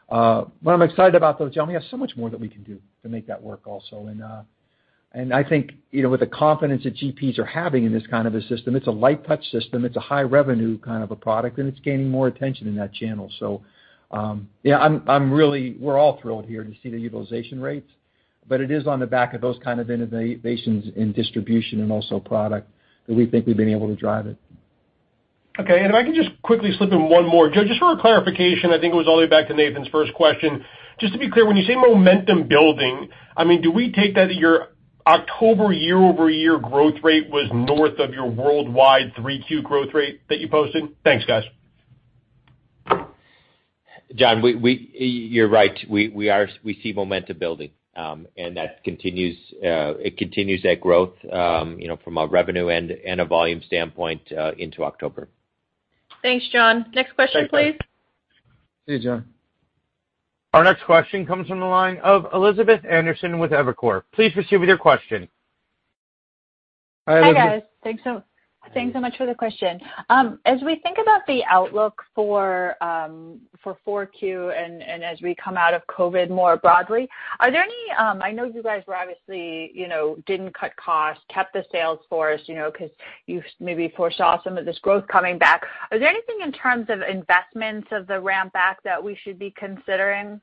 What I'm excited about, though, John, we have so much more that we can do to make that work also. I think, with the confidence that GPs are having in this kind of a system, it's a light touch system, it's a high revenue kind of a product, and it's gaining more attention in that channel. Yeah, we're all thrilled here to see the utilization rates, but it is on the back of those kind of innovations in distribution and also product that we think we've been able to drive it. Okay. If I can just quickly slip in one more. Joe, just for a clarification, I think it was all the way back to Nathan's first question. Just to be clear, when you say momentum building, I mean, do we take that as your October year-over-year growth rate was north of your worldwide 3Q case growth rate that you posted? Thanks, guys. John, you're right. We see momentum building, and it continues that growth from a revenue and a volume standpoint into October. Thanks, John. Next question, please. See you, John. Our next question comes from the line of Elizabeth Anderson with Evercore. Please proceed with your question. Hi, Elizabeth. Hi, guys. Thanks so much for the question. As we think about the outlook for 4Q, as we come out of COVID more broadly, I know you guys obviously didn't cut costs, kept the sales force, because you maybe foresaw some of this growth coming back. Is there anything in terms of investments of the ramp-back that we should be considering?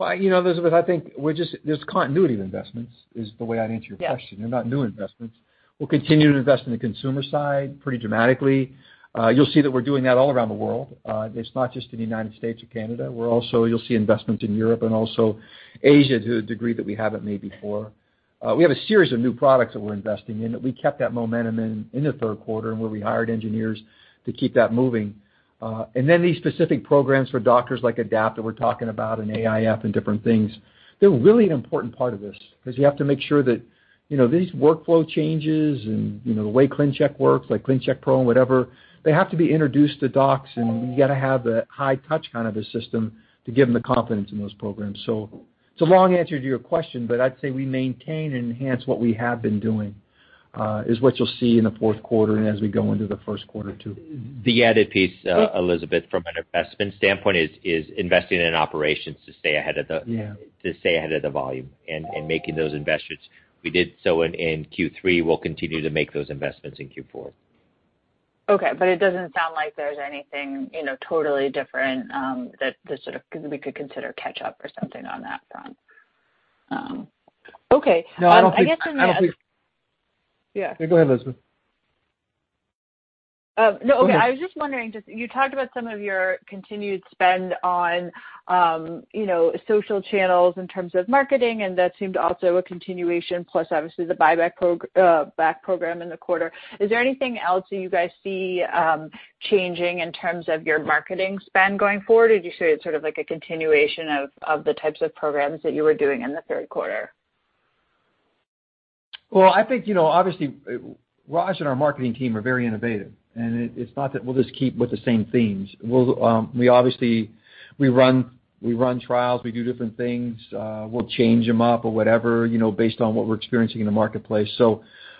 Elizabeth, I think just continuity of investments is the way I'd answer your question. Yeah. They're not new investments. We'll continue to invest in the consumer side pretty dramatically. You'll see that we're doing that all around the world. It's not just in the United States or Canada. You'll see investment in Europe and also Asia to a degree that we haven't made before. We have a series of new products that we're investing in, that we kept that momentum in the third quarter and where we hired engineers to keep that moving. These specific programs for doctors like ADAPT that we're talking about and AIF and different things, they're really an important part of this, because you have to make sure that these workflow changes and the way ClinCheck works, like ClinCheck Pro and whatever, they have to be introduced to docs, and you got to have that high touch kind of a system to give them the confidence in those programs. It's a long answer to your question, but I'd say we maintain and enhance what we have been doing, is what you'll see in the fourth quarter and as we go into the first quarter, too. The added piece, Elizabeth, from an investment standpoint is investing in operations to stay ahead of. Yeah to stay ahead of the volume and making those investments. We did so in Q3. We'll continue to make those investments in Q4. Okay. It doesn't sound like there's anything totally different that sort of we could consider catch up or something on that front. Okay. No, I don't think. Yeah. Yeah, go ahead, Elizabeth. Oh, no. Okay. I was just wondering, you talked about some of your continued spend on social channels in terms of marketing, and that seemed also a continuation plus obviously the buyback program in the quarter. Is there anything else that you guys see changing in terms of your marketing spend going forward, or do you say it's sort of like a continuation of the types of programs that you were doing in the third quarter? Well, I think, obviously, Raj and our marketing team are very innovative. It's not that we'll just keep with the same themes. We obviously run trials. We do different things. We'll change them up or whatever based on what we're experiencing in the marketplace.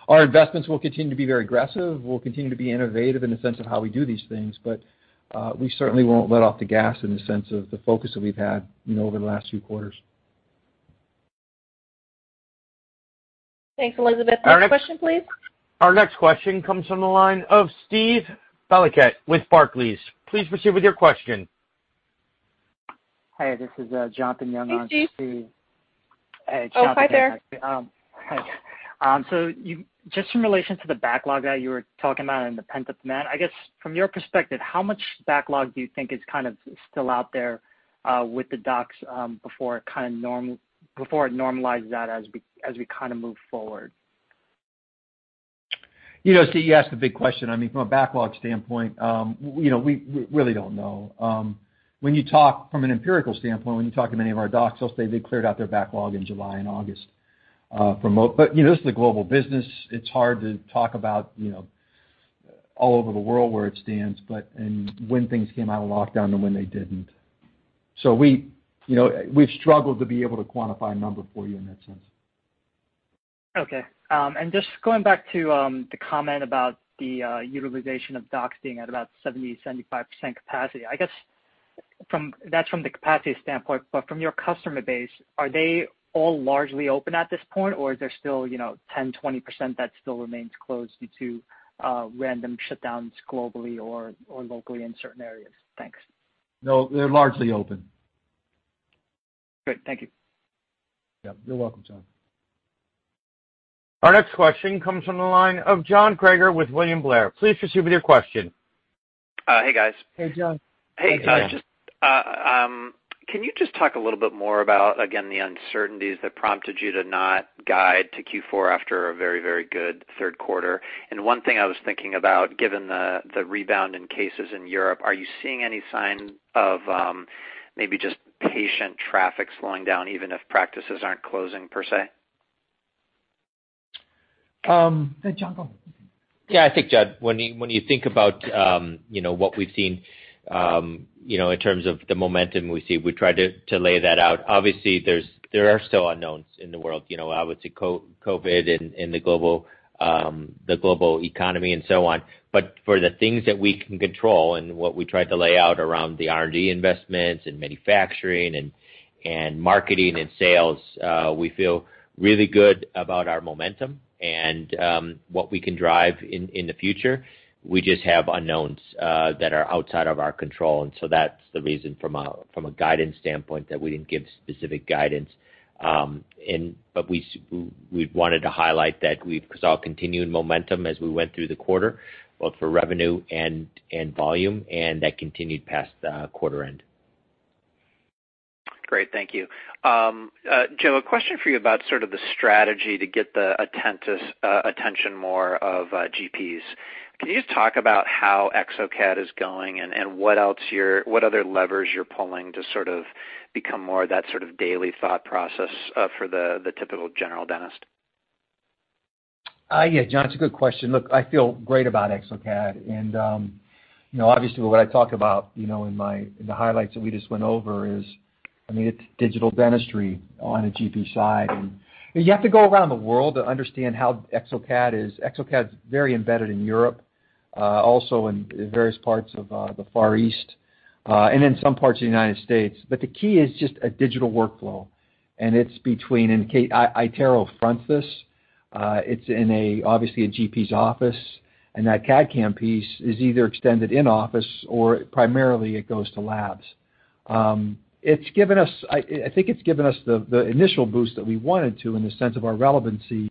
Our investments will continue to be very aggressive. We'll continue to be innovative in the sense of how we do these things. We certainly won't let off the gas in the sense of the focus that we've had over the last few quarters. Thanks, Elizabeth. Next question, please. Our next question comes from the line of Steve Valiquette with Barclays. Please proceed with your question. Hey, this is Jonathan Young on for Steve. Hey, Steve. Oh, hi there. Hey. Just in relation to the backlog that you were talking about and the pent-up demand, I guess from your perspective, how much backlog do you think is kind of still out there with the docs before it normalizes out as we kind of move forward? Steve, you asked a big question. From a backlog standpoint, we really don't know. From an empirical standpoint, when you talk to many of our docs, they'll say they cleared out their backlog in July and August. This is a global business. It's hard to talk about all over the world where it stands, and when things came out of lockdown and when they didn't. We've struggled to be able to quantify a number for you in that sense. Okay. Just going back to the comment about the utilization of docs being at about 70%-75% capacity, I guess that's from the capacity standpoint, but from your customer base, are they all largely open at this point, or is there still 10%-20% that still remains closed due to random shutdowns globally or locally in certain areas? Thanks. No, they're largely open. Great. Thank you. Yeah. You're welcome, John. Our next question comes from the line of John Kreger with William Blair. Please proceed with your question. Hey, guys. Hey, John. Hey, just can you just talk a little bit more about, again, the uncertainties that prompted you to not guide to Q4 after a very good third quarter? One thing I was thinking about, given the rebound in cases in Europe, are you seeing any sign of maybe just patient traffic slowing down, even if practices aren't closing, per se? Hey, John, go ahead. I think, John, when you think about what we've seen in terms of the momentum we see, we try to lay that out. Obviously, there are still unknowns in the world. Obviously, COVID and the global economy and so on. For the things that we can control and what we tried to lay out around the R&D investments and manufacturing and marketing and sales, we feel really good about our momentum and what we can drive in the future. We just have unknowns that are outside of our control, that's the reason from a guidance standpoint that we didn't give specific guidance. We wanted to highlight that we saw continued momentum as we went through the quarter, both for revenue and volume, and that continued past the quarter end. Great. Thank you. Joe, a question for you about sort of the strategy to get the attention more of GPs. Can you just talk about how exocad is going and what other levers you're pulling to sort of become more of that sort of daily thought process for the typical general dentist? Yeah, John, it's a good question. Look, I feel great about exocad, obviously with what I talk about in the highlights that we just went over is, it's digital dentistry on a GP side. You have to go around the world to understand how exocad's very embedded in Europe, also in various parts of the Far East, and in some parts of the United States. The key is just a digital workflow, and iTero fronts this. It's in, obviously, a GP's office, and that CAD/CAM piece is either extended in-office or primarily it goes to labs. I think it's given us the initial boost that we wanted to in the sense of our relevancy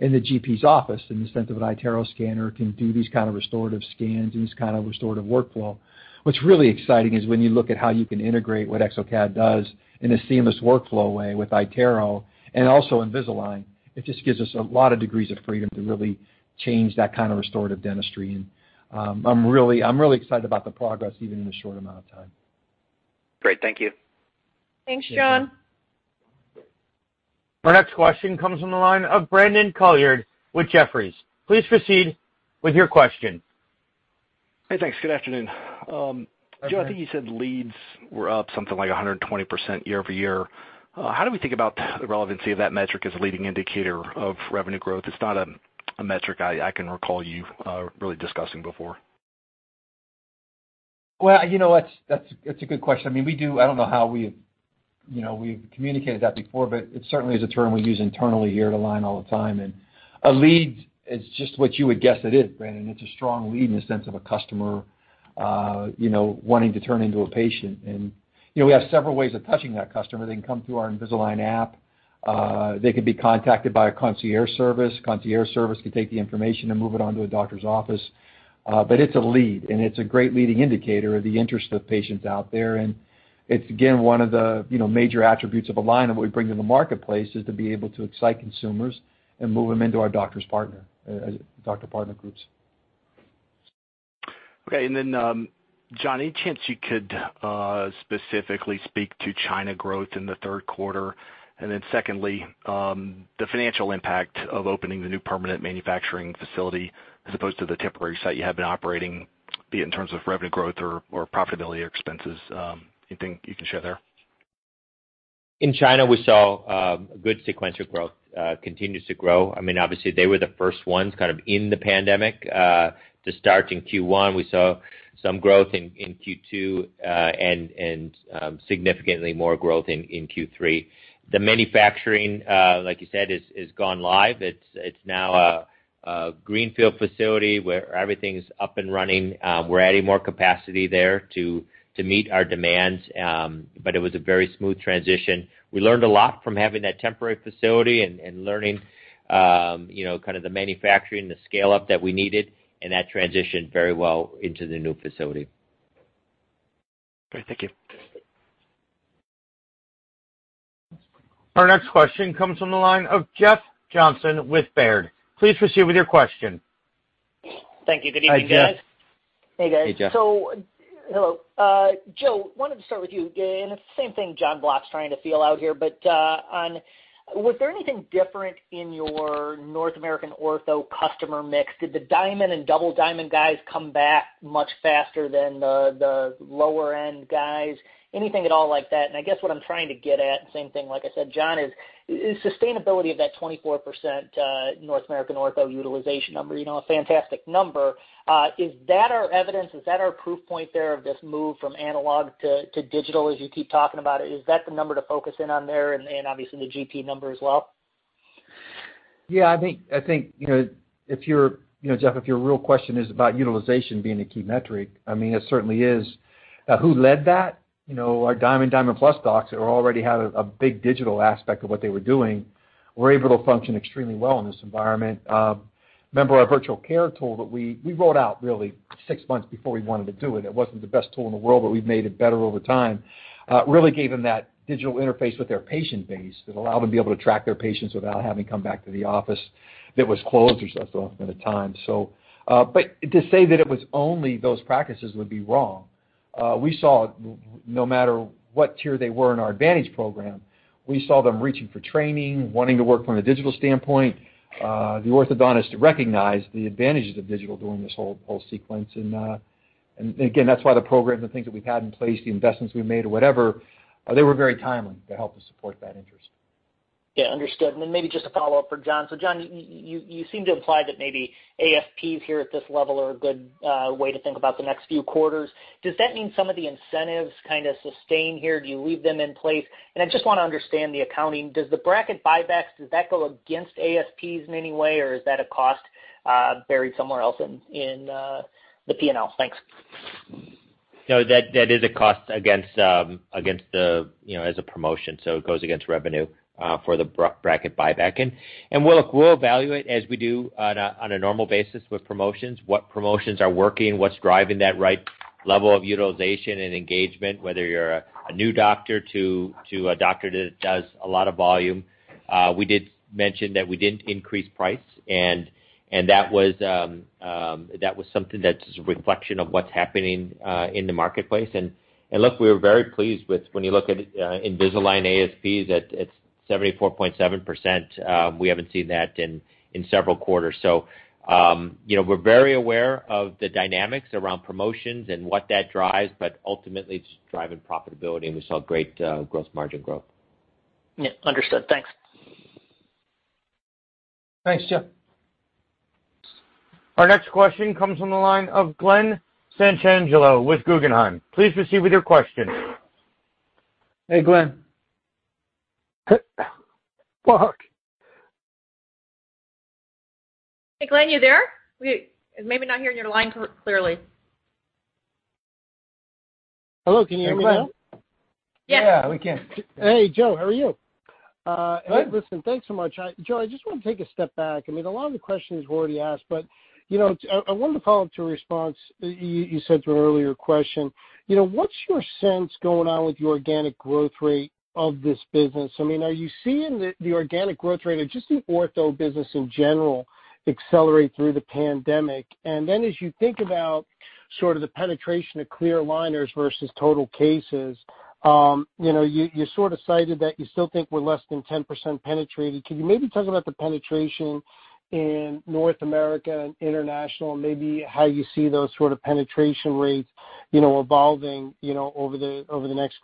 in the GP's office, in the sense of an iTero scanner can do these kind of restorative scans and these kind of restorative workflow. What's really exciting is when you look at how you can integrate what exocad does in a seamless workflow way with iTero and also Invisalign. It just gives us a lot of degrees of freedom to really change that kind of restorative dentistry, and I'm really excited about the progress, even in a short amount of time. Great. Thank you. Thanks, John. Our next question comes from the line of Brandon Couillard with Jefferies. Please proceed with your question. Hey, thanks. Good afternoon. Hey, Brandon. Joe, I think you said leads were up something like 120% year-over-year. How do we think about the relevancy of that metric as a leading indicator of revenue growth? It's not a metric I can recall you really discussing before. Well, that's a good question. I don't know how we've communicated that before, it certainly is a term we use internally here at Align all the time. A lead is just what you would guess it is, Brandon. It's a strong lead in the sense of a customer wanting to turn into a patient. We have several ways of touching that customer. They can come through our Invisalign app. They could be contacted by a concierge service. Concierge service can take the information and move it on to a doctor's office. It's a lead, it's a great leading indicator of the interest of patients out there. It's, again, one of the major attributes of Align and what we bring to the marketplace, is to be able to excite consumers and move them into our doctor partner groups. Okay. John, any chance you could specifically speak to China growth in the third quarter? Secondly, the financial impact of opening the new permanent manufacturing facility as opposed to the temporary site you have been operating, be it in terms of revenue growth or profitability or expenses. Anything you can share there? In China, we saw a good sequential growth, continues to grow. Obviously, they were the first ones in the pandemic to start in Q1. We saw some growth in Q2, and significantly more growth in Q3. The manufacturing, like you said, is gone live. It's now a greenfield facility where everything's up and running. We're adding more capacity there to meet our demands. It was a very smooth transition. We learned a lot from having that temporary facility and learning the manufacturing, the scale-up that we needed, and that transitioned very well into the new facility. Great. Thank you. Our next question comes from the line of Jeff Johnson with Baird. Please proceed with your question. Thank you. Good evening, guys. Hi, Jeff. Hey, guys. Hey, Jeff. Hello, Joe. Wanted to start with you again. It's the same thing John Block's trying to feel out here. Was there anything different in your North American ortho customer mix? Did the Diamond and Double Diamond guys come back much faster than the lower end guys? Anything at all like that? I guess what I'm trying to get at, same thing like I said, John, is sustainability of that 24% North American ortho utilization number, a fantastic number. Is that our evidence? Is that our proof point there of this move from analog to digital as you keep talking about it? Is that the number to focus in on there, and obviously the GP number as well? Yeah, I think, Jeff, if your real question is about utilization being a key metric, it certainly is. Who led that? Our Diamond Plus docs that already had a big digital aspect of what they were doing, were able to function extremely well in this environment. Remember our virtual care tool that we rolled out really six months before we wanted to do it. It wasn't the best tool in the world, but we've made it better over time. Really gave them that digital interface with their patient base that allowed them to be able to track their patients without having to come back to the office that was closed for a significant amount of time. To say that it was only those practices would be wrong. No matter what tier they were in our advantage program, we saw them reaching for training, wanting to work from a digital standpoint. The orthodontist recognized the advantages of digital during this whole sequence. That's why the programs and things that we've had in place, the investments we made or whatever, they were very timely to help to support that interest. Yeah, understood. Maybe just a follow-up for John. John, you seem to imply that maybe ASPs here at this level are a good way to think about the next few quarters. Does that mean some of the incentives kind of sustain here? Do you leave them in place? I just want to understand the accounting. Does the bracket buybacks, does that go against ASPs in any way, or is that a cost buried somewhere else in the P&L? Thanks. That is a cost as a promotion, it goes against revenue for the bracket buyback. We'll evaluate as we do on a normal basis with promotions, what promotions are working, what's driving that right level of utilization and engagement, whether you're a new doctor to a doctor that does a lot of volume. We did mention that we didn't increase price, that was something that's just a reflection of what's happening in the marketplace. We are very pleased with when you look at Invisalign ASPs at 74.7%, we haven't seen that in several quarters. We're very aware of the dynamics around promotions and what that drives, ultimately it's driving profitability, we saw great gross margin growth. Yeah, understood. Thanks. Thanks, Jeff. Our next question comes from the line of Glen Santangelo with Guggenheim. Please proceed with your question. Hey, Glen. Hey, Glen, you there? We're maybe not hearing your line clearly. Hello, can you hear me now? Hey, Glen. Yes. Yeah, we can. Hey, Joe. How are you? Good. Hey, listen, thanks so much. Joe, I just want to take a step back. A lot of the questions were already asked, but I wanted to follow up to a response you said to an earlier question. What's your sense going on with the organic growth rate of this business? Are you seeing the organic growth rate of just the ortho business in general accelerate through the pandemic? As you think about sort of the penetration of clear aligners versus total cases, you sort of cited that you still think we're less than 10% penetrated. Can you maybe talk about the penetration in North America and international, and maybe how you see those sort of penetration rates evolving over the next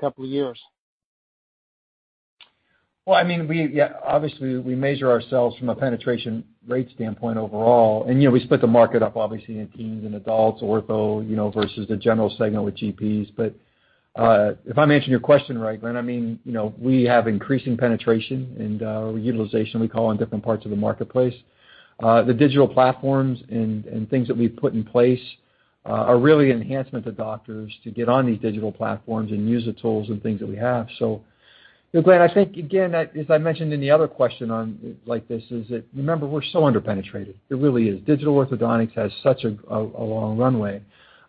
couple of years? Well, obviously we measure ourselves from a penetration rate standpoint overall, and we split the market up obviously in teens and adults, ortho versus the general segment with GPs. If I'm answering your question right, Glen, we have increasing penetration and utilization, we call, in different parts of the marketplace. The digital platforms and things that we've put in place are really an enhancement to doctors to get on these digital platforms and use the tools and things that we have. Glen, I think, again, as I mentioned in the other question like this, remember, we're so under-penetrated. It really is. Digital orthodontics has such a long runway.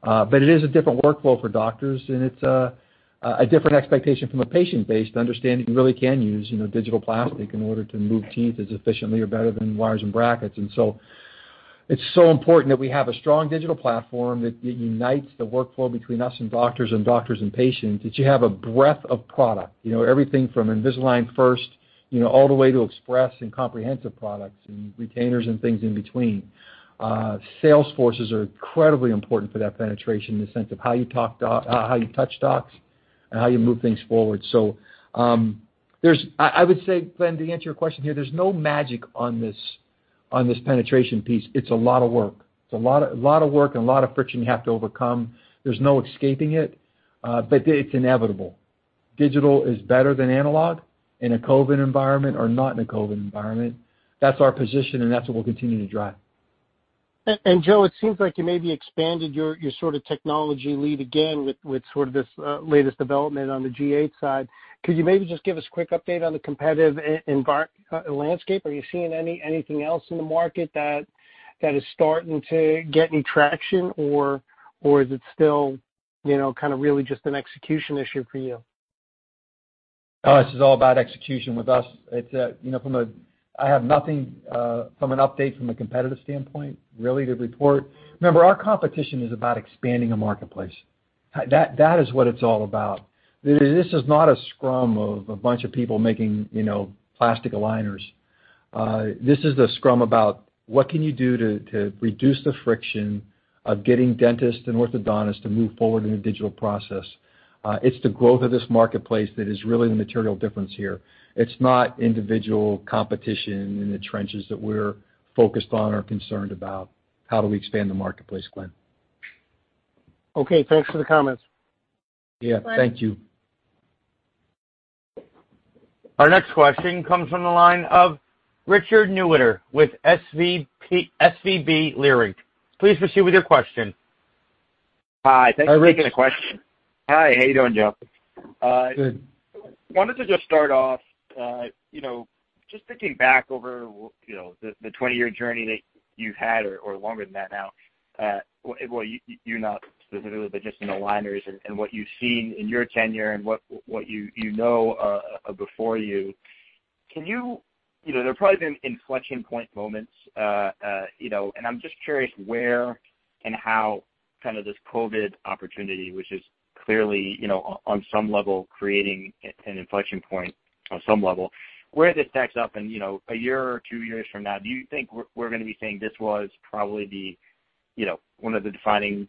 It is a different workflow for doctors, and it's a different expectation from a patient base to understand you really can use digital plastic in order to move teeth as efficiently or better than wires and brackets. It's so important that we have a strong digital platform that unites the workflow between us and doctors, and doctors and patients, that you have a breadth of product. Everything from Invisalign First all the way to Express and comprehensive products and retainers and things in between. Sales forces are incredibly important for that penetration in the sense of how you touch docs and how you move things forward. I would say, Glen, to answer your question here, there's no magic on this penetration piece. It's a lot of work. It's a lot of work and a lot of friction you have to overcome. There's no escaping it, but it's inevitable. Digital is better than analog in a COVID environment or not in a COVID environment. That's our position, and that's what we'll continue to drive. Joe, it seems like you maybe expanded your technology lead again with this latest development on the G8 side. Could you maybe just give us a quick update on the competitive landscape? Are you seeing anything else in the market that is starting to get any traction, or is it still really just an execution issue for you? This is all about execution with us. I have nothing from an update from a competitive standpoint really to report. Remember, our competition is about expanding a marketplace. That is what it's all about. This is not a scrum of a bunch of people making plastic aligners. This is the scrum about what can you do to reduce the friction of getting dentists and orthodontists to move forward in a digital process. It's the growth of this marketplace that is really the material difference here. It's not individual competition in the trenches that we're focused on or concerned about. How do we expand the marketplace, Glen? Okay, thanks for the comments. Yeah. Thank you. Our next question comes from the line of Richard Newitter with SVB Leerink. Please proceed with your question. Hi. Thanks for taking the question. Hi, Richard. Hi, how you doing, Joe? Good. Wanted to just start off, just thinking back over the 20-year journey that you've had or longer than that now. Well, you're not specifically, but just in aligners and what you've seen in your tenure and what you know before you. There have probably been inflection point moments, and I'm just curious where and how this COVID opportunity, which is clearly on some one level creating an inflection point on some one level, where this stacks up in a year or two years from now. Do you think we're going to be saying this was probably one of the defining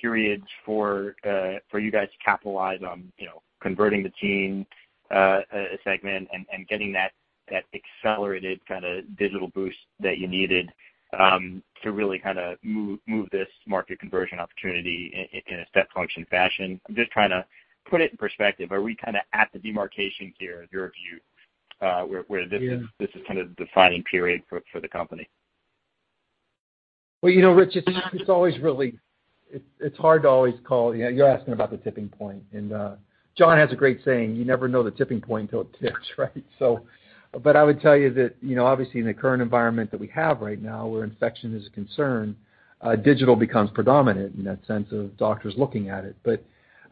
periods for you guys to capitalize on converting the teen segment and getting that accelerated digital boost that you needed to really move this market conversion opportunity in a step function fashion? I'm just trying to put it in perspective. Are we at the demarcation here, in your view, where this is kind of the defining period for the company? Well, Richard, it's hard to always call. You're asking about the tipping point, and John has a great saying, "You never know the tipping point until it tips," right? I would tell you that obviously in the current environment that we have right now, where infection is a concern, digital becomes predominant in that sense of doctors looking at it.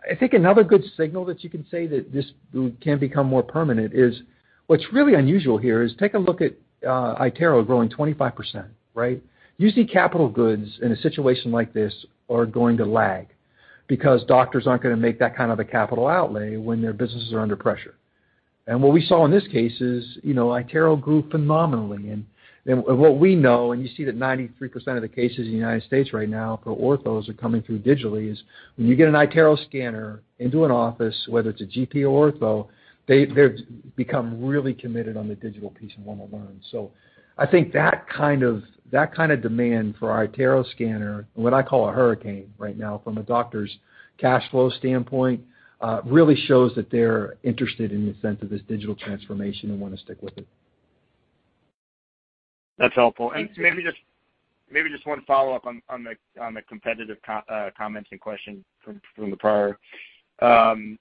I think another good signal that you can say that this can become more permanent is what's really unusual here is take a look at iTero growing 25%, right? Usually capital goods in a situation like this are going to lag because doctors aren't going to make that kind of a capital outlay when their businesses are under pressure. What we saw in this case is iTero grew phenomenally, and what we know, and you see that 93% of the cases in the U.S. right now for orthos are coming through digitally, is when you get an iTero scanner into an office, whether it's a GP or ortho, they've become really committed on the digital piece and want to learn. I think that kind of demand for our iTero scanner, and what I call a hurricane right now from a doctor's cash flow standpoint, really shows that they're interested in the sense of this digital transformation and want to stick with it. That's helpful. Maybe just one follow-up on the competitive comments and question from the prior. I'm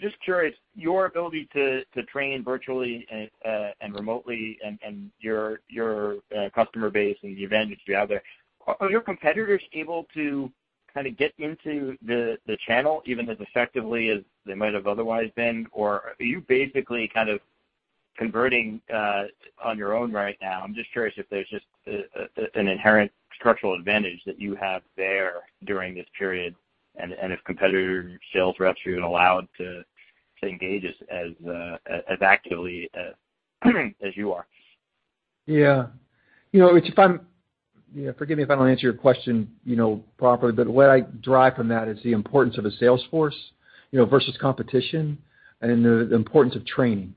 just curious, your ability to train virtually and remotely and your customer base and the advantage that you have there, are your competitors able to get into the channel even as effectively as they might have otherwise been? Are you basically converting on your own right now? I'm just curious if there's just an inherent structural advantage that you have there during this period and if competitor sales reps are even allowed to engage as actively as you are. Yeah. Forgive me if I don't answer your question properly, but what I derive from that is the importance of a sales force versus competition and the importance of training.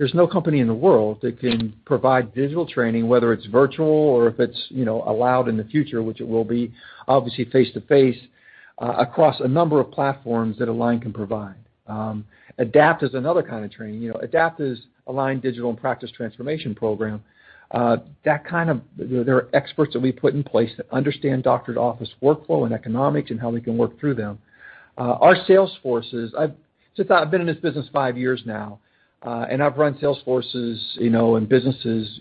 There's no company in the world that can provide digital training, whether it's virtual or if it's allowed in the future, which it will be, obviously face-to-face, across a number of platforms that Align can provide. ADAPT is another kind of training. ADAPT is Align Digital and Practice Transformation program. There are experts that we put in place that understand doctor's office workflow and economics and how we can work through them. Our sales forces, since I've been in this business five years now, and I've run sales forces in businesses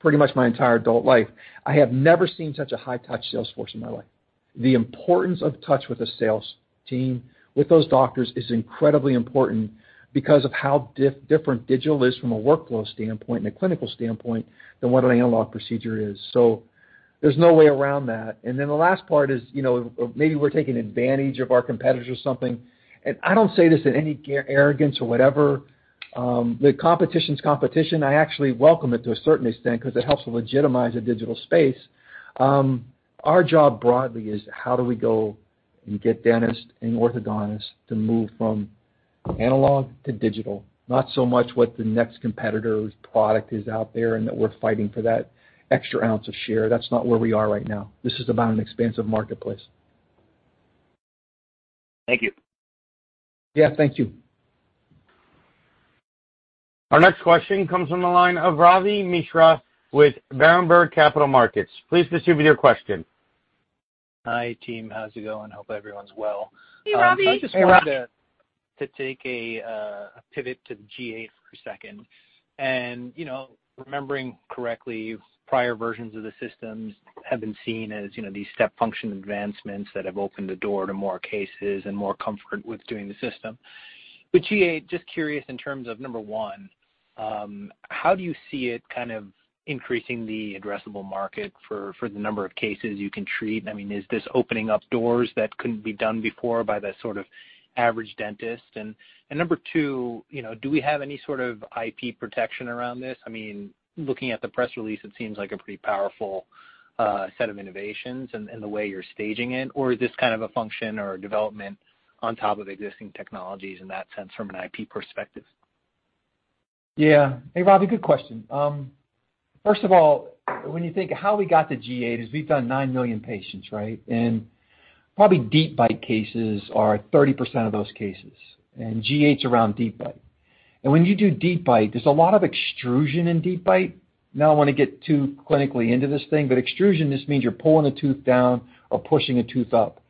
pretty much my entire adult life, I have never seen such a high touch sales force in my life. The importance of touch with the sales team, with those doctors is incredibly important because of how different digital is from a workflow standpoint and a clinical standpoint than what an analog procedure is. There's no way around that. The last part is, maybe we're taking advantage of our competitors or something, and I don't say this in any arrogance or whatever. The competition's competition, I actually welcome it to a certain extent because it helps legitimize a digital space. Our job broadly is how do we go and get dentists and orthodontists to move from analog to digital, not so much what the next competitor's product is out there and that we're fighting for that extra ounce of share. That's not where we are right now. This is about an expansive marketplace. Thank you. Yeah. Thank you. Our next question comes from the line of Ravi Misra with Berenberg Capital Markets. Hi, team. How's it going? Hope everyone's well. Hey, Ravi. I just wanted to take a pivot to G8 for a second and, remembering correctly, prior versions of the systems have been seen as these step function advancements that have opened the door to more cases and more comfort with doing the system. With G8, just curious in terms of, number one, how do you see it kind of increasing the addressable market for the number of cases you can treat? I mean, is this opening up doors that couldn't be done before by the sort of average dentist? Number two, do we have any sort of IP protection around this? I mean, looking at the press release, it seems like a pretty powerful set of innovations in the way you're staging it. Is this kind of a function or a development on top of existing technologies in that sense from an IP perspective? Yeah. Hey, Ravi. Good question. First of all, when you think how we got to G8 is we've done nine million patients, right? Probably deep bite cases are 30% of those cases, and G8's around deep bite. When you do deep bite, there's a lot of extrusion in deep bite. Now, I don't want to get too clinically into this thing, extrusion, this means you're pulling a tooth down or pushing a tooth up.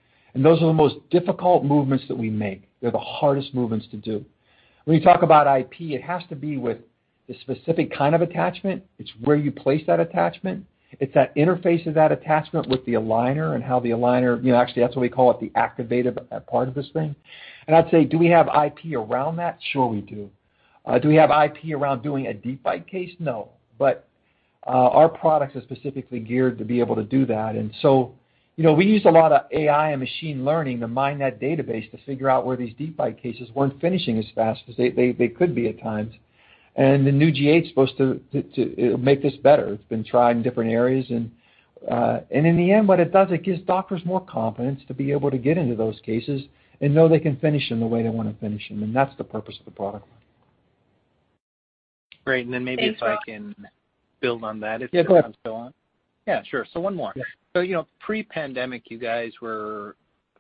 Those are the most difficult movements that we make. They're the hardest movements to do. When you talk about IP, it has to be with the specific kind of attachment. It's where you place that attachment. It's that interface of that attachment with the aligner and how the aligner, actually, that's what we call it, the activated part of this thing. I'd say, do we have IP around that? Sure we do. Do we have IP around doing a deep bite case? No. Our products are specifically geared to be able to do that. We used a lot of AI and machine learning to mine that database to figure out where these deep bite cases weren't finishing as fast as they could be at times. The new G8's supposed to make this better. It's been tried in different areas, and in the end, what it does, it gives doctors more confidence to be able to get into those cases and know they can finish them the way they want to finish them, and that's the purpose of the product. Great, maybe if I can build on that if that's okay. Yeah, go ahead. Yeah, sure. One more. Yeah. Pre-pandemic, you guys were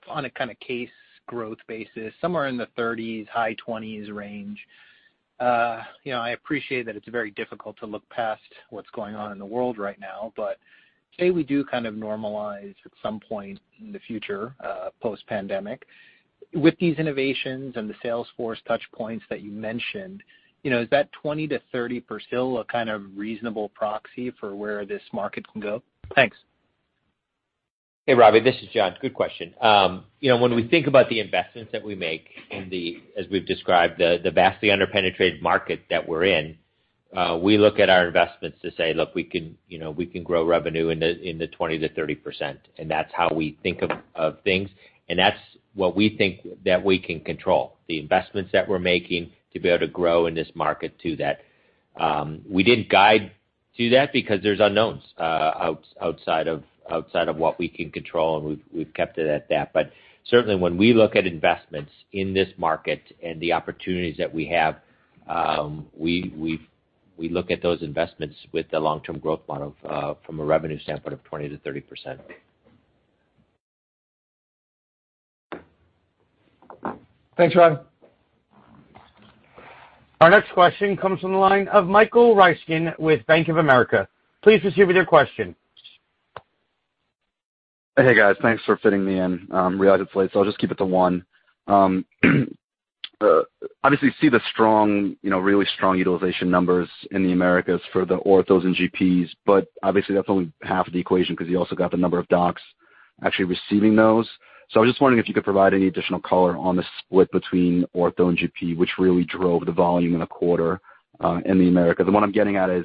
on a kind of case growth basis, somewhere in the 30s, high 20s range. I appreciate that it's very difficult to look past what's going on in the world right now, say we do kind of normalize at some point in the future, post-pandemic. With these innovations and the sales force touch points that you mentioned, is that 20%-30% still a kind of reasonable proxy for where this market can go? Thanks. Hey, Ravi. This is John. Good question. When we think about the investments that we make in the, as we've described, the vastly under-penetrated market that we're in, we look at our investments to say, "Look, we can grow revenue in the 20%-30%," and that's how we think of things, and that's what we think that we can control. The investments that we're making to be able to grow in this market to that. We didn't guide to that because there's unknowns outside of what we can control, and we've kept it at that. Certainly, when we look at investments in this market and the opportunities that we have, we look at those investments with the long-term growth model from a revenue standpoint of 20%-30%. Thanks, Ravi. Our next question comes from the line of Michael Ryskin with Bank of America. Please distribute your question. Hey, guys. Thanks for fitting me in. I'm really late, so I'll just keep it to one. Obviously see the really strong utilization numbers in the Americas for the orthos and GPs, but obviously, that's only half of the equation because you also got the number of docs actually receiving those. I was just wondering if you could provide any additional color on the split between ortho and GP, which really drove the volume in the quarter in the Americas. What I'm getting at is,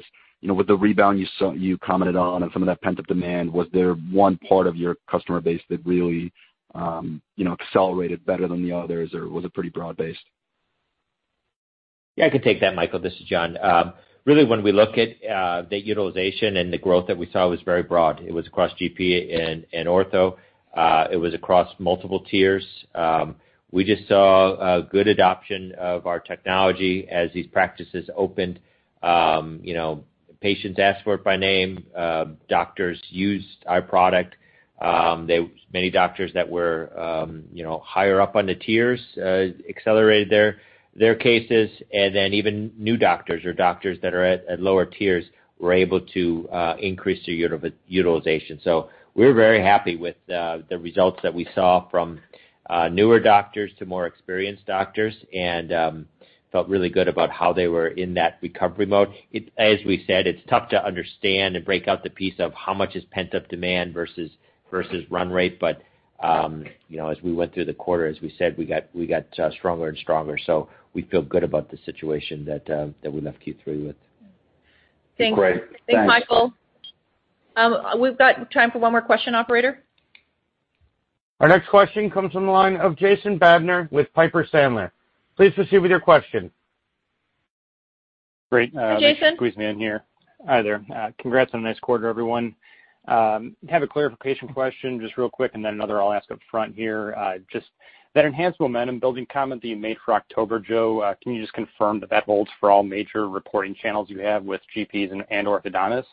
with the rebound you commented on and some of that pent-up demand, was there one part of your customer base that really accelerated better than the others, or was it pretty broad-based? Yeah, I can take that, Michael. This is John. When we look at the utilization and the growth that we saw was very broad. It was across GP and ortho. It was across multiple tiers. We just saw a good adoption of our technology as these practices opened. Patients asked for it by name. Doctors used our product. Many doctors that were higher up on the tiers accelerated their cases, even new doctors or doctors that are at lower tiers were able to increase their utilization. We're very happy with the results that we saw from newer doctors to more experienced doctors, and felt really good about how they were in that recovery mode. As we said, it's tough to understand and break out the piece of how much is pent-up demand versus run-rate. As we went through the quarter, as we said, we got stronger and stronger. We feel good about the situation that we left Q3 with. Thanks. Great. Thanks. Thanks, Michael. We've got time for one more question, operator. Our next question comes from the line of Jason Bednar with Piper Sandler. Please proceed with your question. Great. Hi, Jason. Squeeze me in here. Hi there. Congrats on a nice quarter, everyone. Have a clarification question, just real quick, then another I'll ask up front here. Just that enhanced momentum building comment that you made for October, Joe, can you just confirm that holds for all major reporting channels you have with GPs and orthodontists?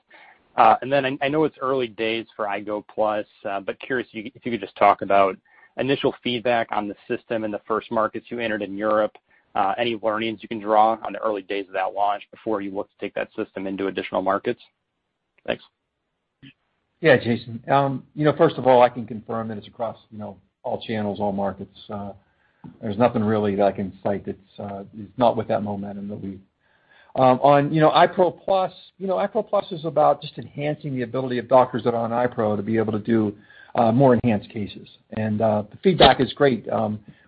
Then I know it's early days for iGo Plus, but curious if you could just talk about initial feedback on the system in the first markets you entered in Europe, any learnings you can draw on the early days of that launch before you look to take that system into additional markets. Thanks. Yeah. Jason. First of all, I can confirm that it's across all channels, all markets. There's nothing really that I can cite that's not with that momentum. On iPro Plus, iPro Plus is about just enhancing the ability of doctors that are on iPro to be able to do more enhanced cases. The feedback is great.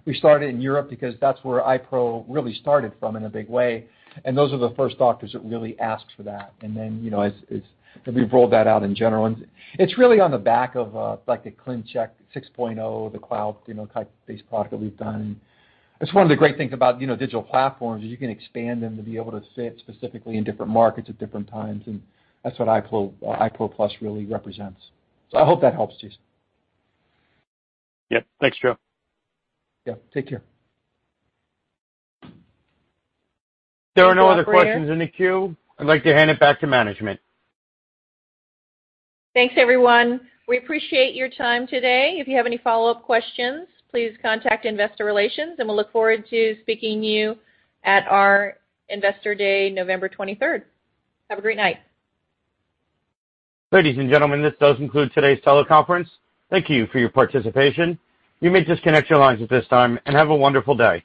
We started in Europe because that's where iPro really started from in a big way. Those are the first doctors that really asked for that. As we've rolled that out in general, it's really on the back of, like the ClinCheck 6.0, the cloud-based product that we've done. That's one of the great things about digital platforms, is you can expand them to be able to fit specifically in different markets at different times. That's what iPro Plus really represents. I hope that helps, Jason. Yep. Thanks, Joe. Yeah. Take care. There are no other questions in the queue. I'd like to hand it back to management. Thanks, everyone. We appreciate your time today. If you have any follow-up questions, please contact investor relations, and we'll look forward to speaking to you at our Investor Day, November 23rd. Have a great night. Ladies and gentlemen, this does conclude today's teleconference. Thank you for your participation. You may disconnect your lines at this time, and have a wonderful day.